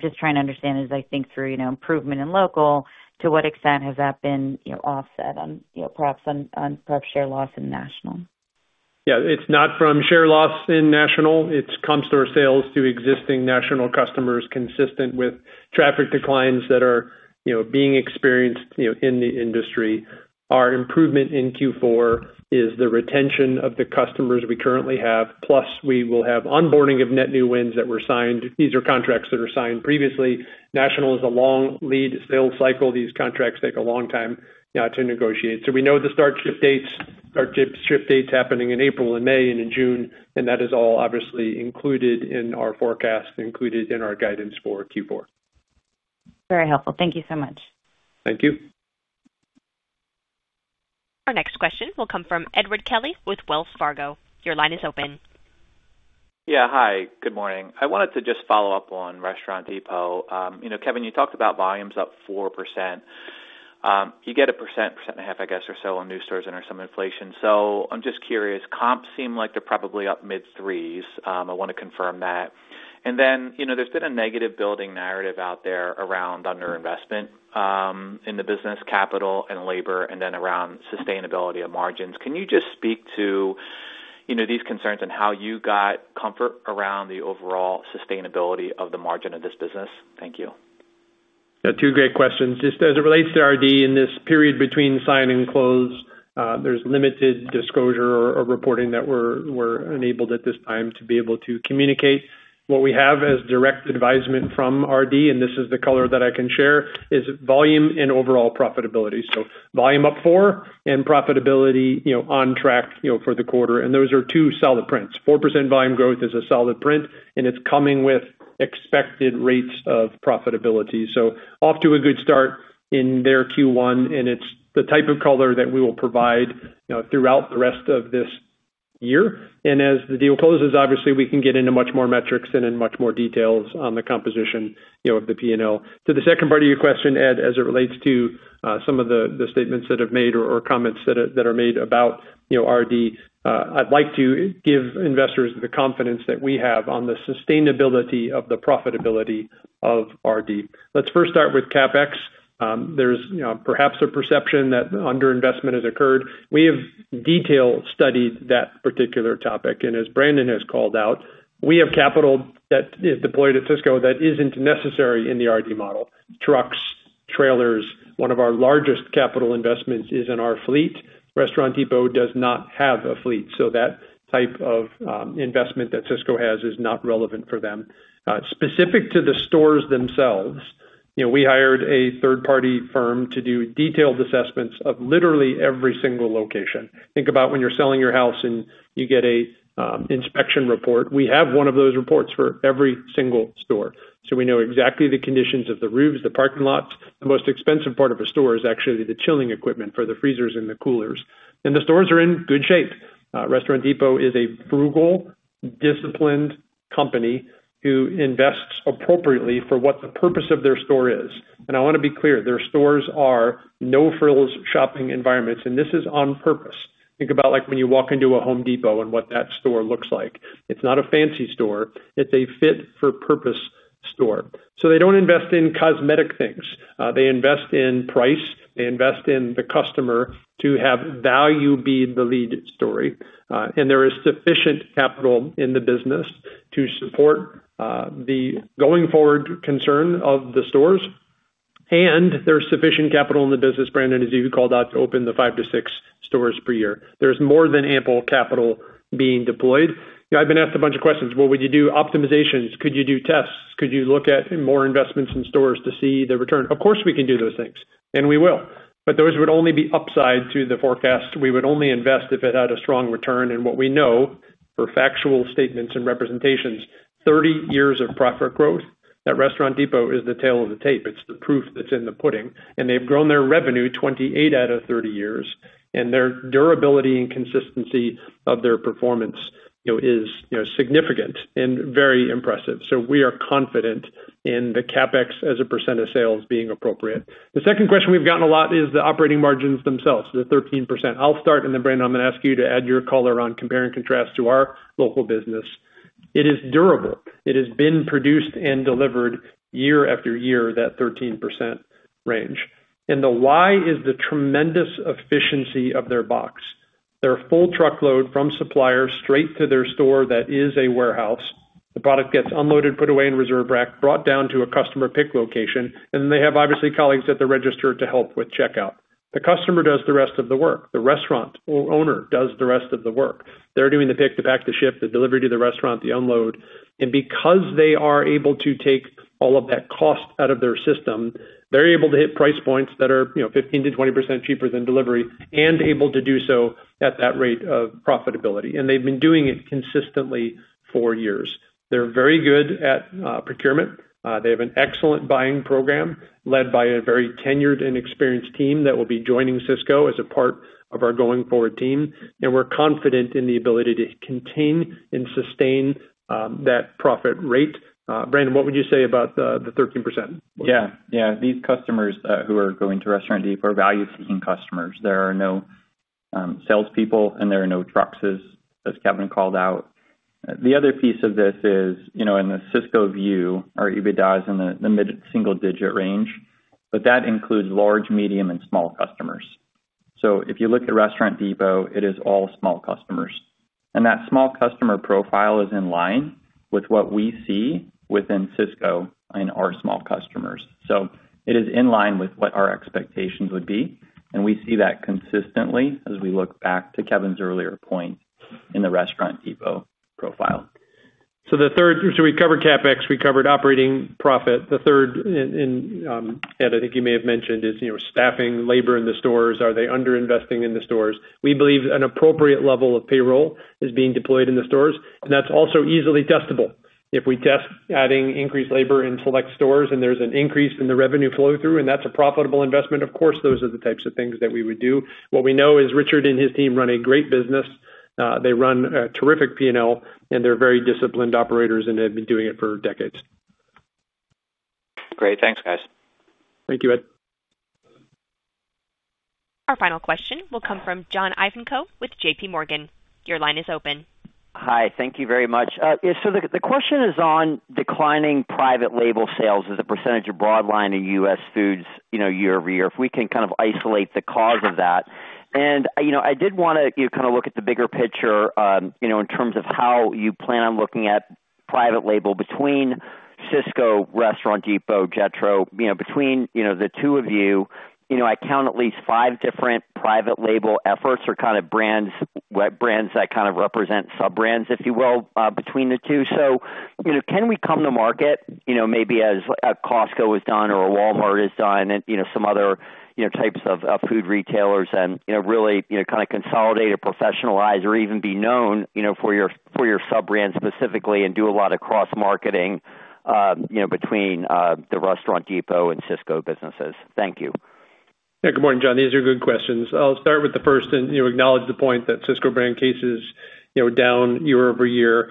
just trying to understand as I think through, you know, improvement in local, to what extent has that been, you know, offset on, you know, perhaps on perhaps share loss in national? Yeah, it's not from share loss in national. It's comp store sales to existing national customers consistent with traffic declines that are, you know, being experienced, you know, in the industry. Our improvement in Q4 is the retention of the customers we currently have, plus we will have onboarding of net new wins that were signed. These are contracts that are signed previously. National is a long lead sales cycle. These contracts take a long time to negotiate. We know the start shift dates happening in April and May and in June, and that is all obviously included in our forecast, included in our guidance for Q4. Very helpful. Thank you so much. Thank you. Our next question will come from Edward Kelly with Wells Fargo. Your line is open. Yeah. Hi. Good morning. I wanted to just follow up on Restaurant Depot. You know, Kevin, you talked about volumes up 4%. You get 1.5%, I guess, or so on new stores and there's some inflation. I'm just curious, comps seem like they're probably up mid-threes. I wanna confirm that. Then, you know, there's been a negative building narrative out there around underinvestment in the business capital and labor and then around sustainability of margins. Can you just speak to, you know, these concerns and how you got comfort around the overall sustainability of the margin of this business? Thank you. Yeah, two great questions. Just as it relates to RD, in this period between sign and close, there's limited disclosure or reporting that we're enabled at this time to be able to communicate. What we have is direct advisement from RD, and this is the color that I can share, is volume and overall profitability. Volume up 4% and profitability, you know, on track, you know, for the quarter. Those are two solid prints. 4% volume growth is a solid print, and it's coming with expected rates of profitability. Off to a good start in their Q1, and it's the type of color that we will provide, you know, throughout the rest of this year. As the deal closes, obviously, we can get into much more metrics and in much more details on the composition, you know, of the P&L. To the second part of your question, Ed, as it relates to some of the statements that have made or comments that are made about, you know, RD, I'd like to give investors the confidence that we have on the sustainability of the profitability of RD. Let's first start with CapEx. There's, you know, perhaps a perception that underinvestment has occurred. We have detail studied that particular topic. As Brandon has called out, we have capital that is deployed at Sysco that isn't necessary in the RD model. Trucks, trailers. One of our largest capital investments is in our fleet. Restaurant Depot does not have a fleet, so that type of investment that Sysco has is not relevant for them. Specific to the stores themselves, you know, we hired a third-party firm to do detailed assessments of literally every single location. Think about when you're selling your house and you get a inspection report. We have one of those reports for every single store, so we know exactly the conditions of the roofs, the parking lots. The most expensive part of a store is actually the chilling equipment for the freezers and the coolers. The stores are in good shape. Restaurant Depot is a frugal, disciplined company who invests appropriately for what the purpose of their store is. I wanna be clear, their stores are no-frills shopping environments, and this is on purpose. Think about, like, when you walk into a Home Depot and what that store looks like. It's not a fancy store. It's a fit for purpose store. They don't invest in cosmetic things. They invest in price. They invest in the customer to have value be the lead story. There is sufficient capital in the business to support the going forward concern of the stores. There's sufficient capital in the business, Brandon, as you called out, to open the 5 to 6 stores per year. There's more than ample capital being deployed. You know, I've been asked a bunch of questions. Well, would you do optimizations? Could you do tests? Could you look at more investments in stores to see the return? Of course, we can do those things, and we will. Those would only be upside to the forecast. We would only invest if it had a strong return. What we know for factual statements and representations, 30 years of profit growth at Restaurant Depot is the tale of the tape. It's the proof that's in the pudding. They've grown their revenue 28 out of 30 years, and their durability and consistency of their performance, you know, is, you know, significant and very impressive. We are confident in the CapEx as a % of sales being appropriate. The second question we've gotten a lot is the operating margins themselves, the 13%. I'll start, and then Brandon, I'm gonna ask you to add your color on compare and contrast to our local business. It is durable. It has been produced and delivered year after year, that 13% range. The why is the tremendous efficiency of their box. Their full truckload from suppliers straight to their store that is a warehouse. The product gets unloaded, put away in reserve rack, brought down to a customer pick location, and they have obviously colleagues at the register to help with checkout. The customer does the rest of the work. The restaurant or owner does the rest of the work. They're doing the pick, the pack, the ship, the delivery to the restaurant, the unload. Because they are able to take all of that cost out of their system, they're able to hit price points that are, you know, 15%-20% cheaper than delivery and able to do so at that rate of profitability. They've been doing it consistently for years. They're very good at procurement. They have an excellent buying program led by a very tenured and experienced team that will be joining Sysco as a part of our going forward team. We're confident in the ability to contain and sustain that profit rate. Brandon, what would you say about the 13%? Yeah. Yeah. These customers, who are going to Restaurant Depot are value-seeking customers. There are no salespeople, and there are no trucks, as Kevin called out. The other piece of this is, you know, in the Sysco view, our EBITDAs in the mid-single-digit range, but that includes large, medium, and small customers. If you look at Restaurant Depot, it is all small customers. That small customer profile is in line with what we see within Sysco in our small customers. It is in line with what our expectations would be, and we see that consistently as we look back to Kevin's earlier point in the Restaurant Depot profile. We covered CapEx, we covered operating profit. The third and, Ed, I think you may have mentioned is, you know, staffing, labor in the stores. Are they under investing in the stores? We believe an appropriate level of payroll is being deployed in the stores, and that's also easily testable. If we test adding increased labor in select stores and there's an increase in the revenue flow through and that's a profitable investment, of course, those are the types of things that we would do. What we know is Richard and his team run a great business. They run a terrific P&L, and they're very disciplined operators, and they've been doing it for decades. Great. Thanks, guys. Thank you, Edward. Our final question will come from John Ivankoe with JPMorgan. Your line is open. Hi. Thank you very much. Yeah, so the question is on declining private label sales as a percentage of broad line in US Foods, you know, year over year. If we can kind of isolate the cause of that. You know, I did want to, you know, kind of look at the bigger picture, you know, in terms of how you plan on looking at private label between Sysco, Restaurant Depot, Jetro. You know, between, you know, the two of you know, I count at least five different private label efforts or kind of brands, web brands that kind of represent sub-brands, if you will, between the two. You know, can we come to market, you know, maybe as Costco has done or Walmart has done and, you know, some other, you know, types of food retailers and, you know, really, you know, kinda consolidate or professionalize or even be known, you know, for your, for your sub-brand specifically and do a lot of cross-marketing, you know, between the Restaurant Depot and Sysco businesses. Thank you. Yeah. Good morning, John. These are good questions. I'll start with the first, you know, acknowledge the point that Sysco Brand cases, you know, are down year-over-year.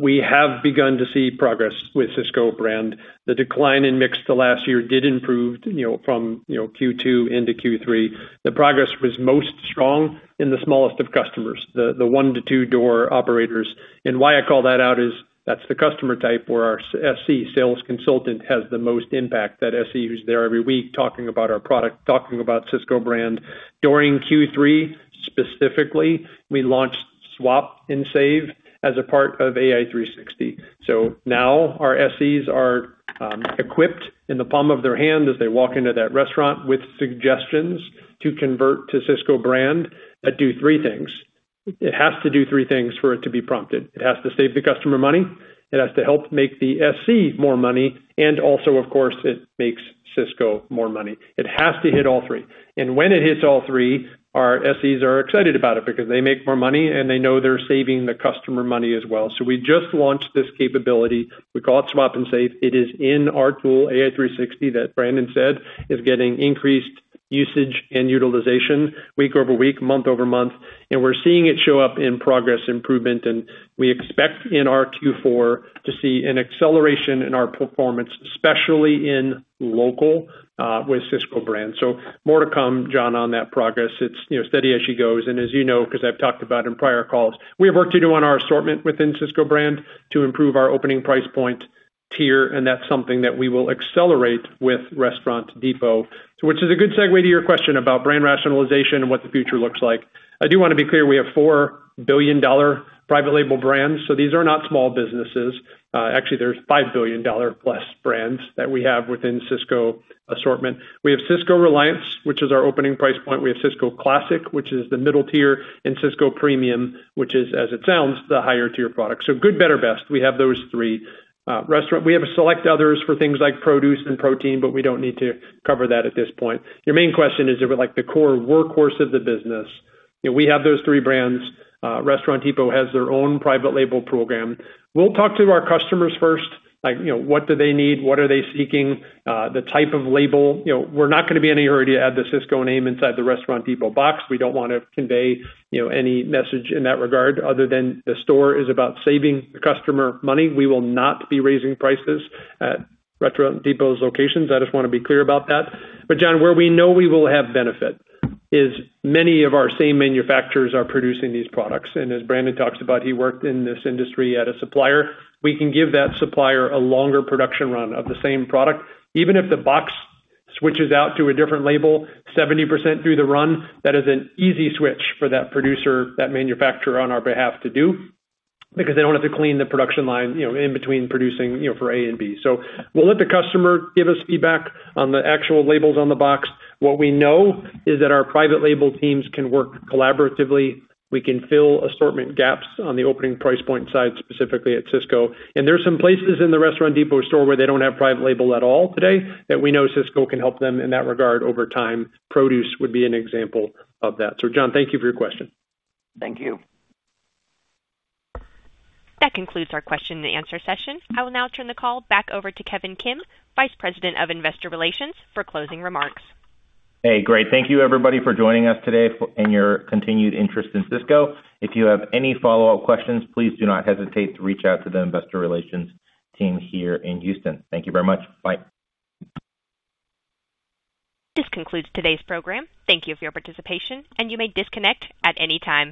We have begun to see progress with Sysco Brand. The decline in mix the last year did improve, you know, from, you know, Q2 into Q3. The progress was most strong in the smallest of customers, the one-to-two door operators. Why I call that out is that's the customer type where our SC, sales consultant, has the most impact. That SC who's there every week talking about our product, talking about Sysco Brand. During Q3 specifically, we launched Swap and Save as a part of AI360. Now our SCs are equipped in the palm of their hand as they walk into that restaurant with suggestions to convert to Sysco Brand that do three things. It has to do three things for it to be prompted. It has to save the customer money, it has to help make the SC more money, and also, of course, it makes Sysco more money. It has to hit all three. When it hits all three, our SCs are excited about it because they make more money, and they know they're saving the customer money as well. We just launched this capability. We call it Swap and Save. It is in our tool, AI360, that Brandon said is getting increased usage and utilization week-over-week, month-over-month. We're seeing it show up in progress improvement, and we expect in our Q4 to see an acceleration in our performance, especially in local with Sysco Brand. More to come, John, on that progress. It's, you know, steady as she goes. As you know, 'cause I've talked about in prior calls, we have work to do on our assortment within Sysco Brand to improve our opening price point tier, and that's something that we will accelerate with Restaurant Depot. Which is a good segue to your question about brand rationalization and what the future looks like. I do wanna be clear, we have $4 billion private label brands, so these are not small businesses. Actually, they're $5 billion plus brands that we have within Sysco assortment. We have Sysco Reliance, which is our opening price point. We have Sysco Classic, which is the middle tier. Sysco Premium, which is, as it sounds, the higher tier product. Good, better, best. We have those three. We have select others for things like produce and protein, but we don't need to cover that at this point. Your main question is like the core workhorse of the business. You know, we have those three brands. Restaurant Depot has their own private label program. We'll talk to our customers first, like, you know, what do they need, what are they seeking, the type of label. You know, we're not gonna be in a hurry to add the Sysco name inside the Restaurant Depot box. We don't wanna convey, you know, any message in that regard other than the store is about saving the customer money. We will not be raising prices at Restaurant Depot's locations. I just wanna be clear about that. John, where we know we will have benefit is many of our same manufacturers are producing these products. As Brandon talks about, he worked in this industry at a supplier. We can give that supplier a longer production run of the same product. Even if the box switches out to a different label 70% through the run, that is an easy switch for that producer, that manufacturer on our behalf to do because they don't have to clean the production line, you know, in between producing, you know, for A and B. We'll let the customer give us feedback on the actual labels on the box. What we know is that our private label teams can work collaboratively. We can fill assortment gaps on the opening price point side, specifically at Sysco. There's some places in the Restaurant Depot store where they don't have private label at all today that we know Sysco can help them in that regard over time. Produce would be an example of that. John, thank you for your question. Thank you. That concludes our question-and-answer session. I will now turn the call back over to Kevin Kim, Vice President of Investor Relations, for closing remarks. Hey, great. Thank you everybody for joining us today and your continued interest in Sysco. If you have any follow-up questions, please do not hesitate to reach out to the Investor Relations team here in Houston. Thank you very much. Bye. This concludes today's program. Thank you for your participation, and you may disconnect at any time.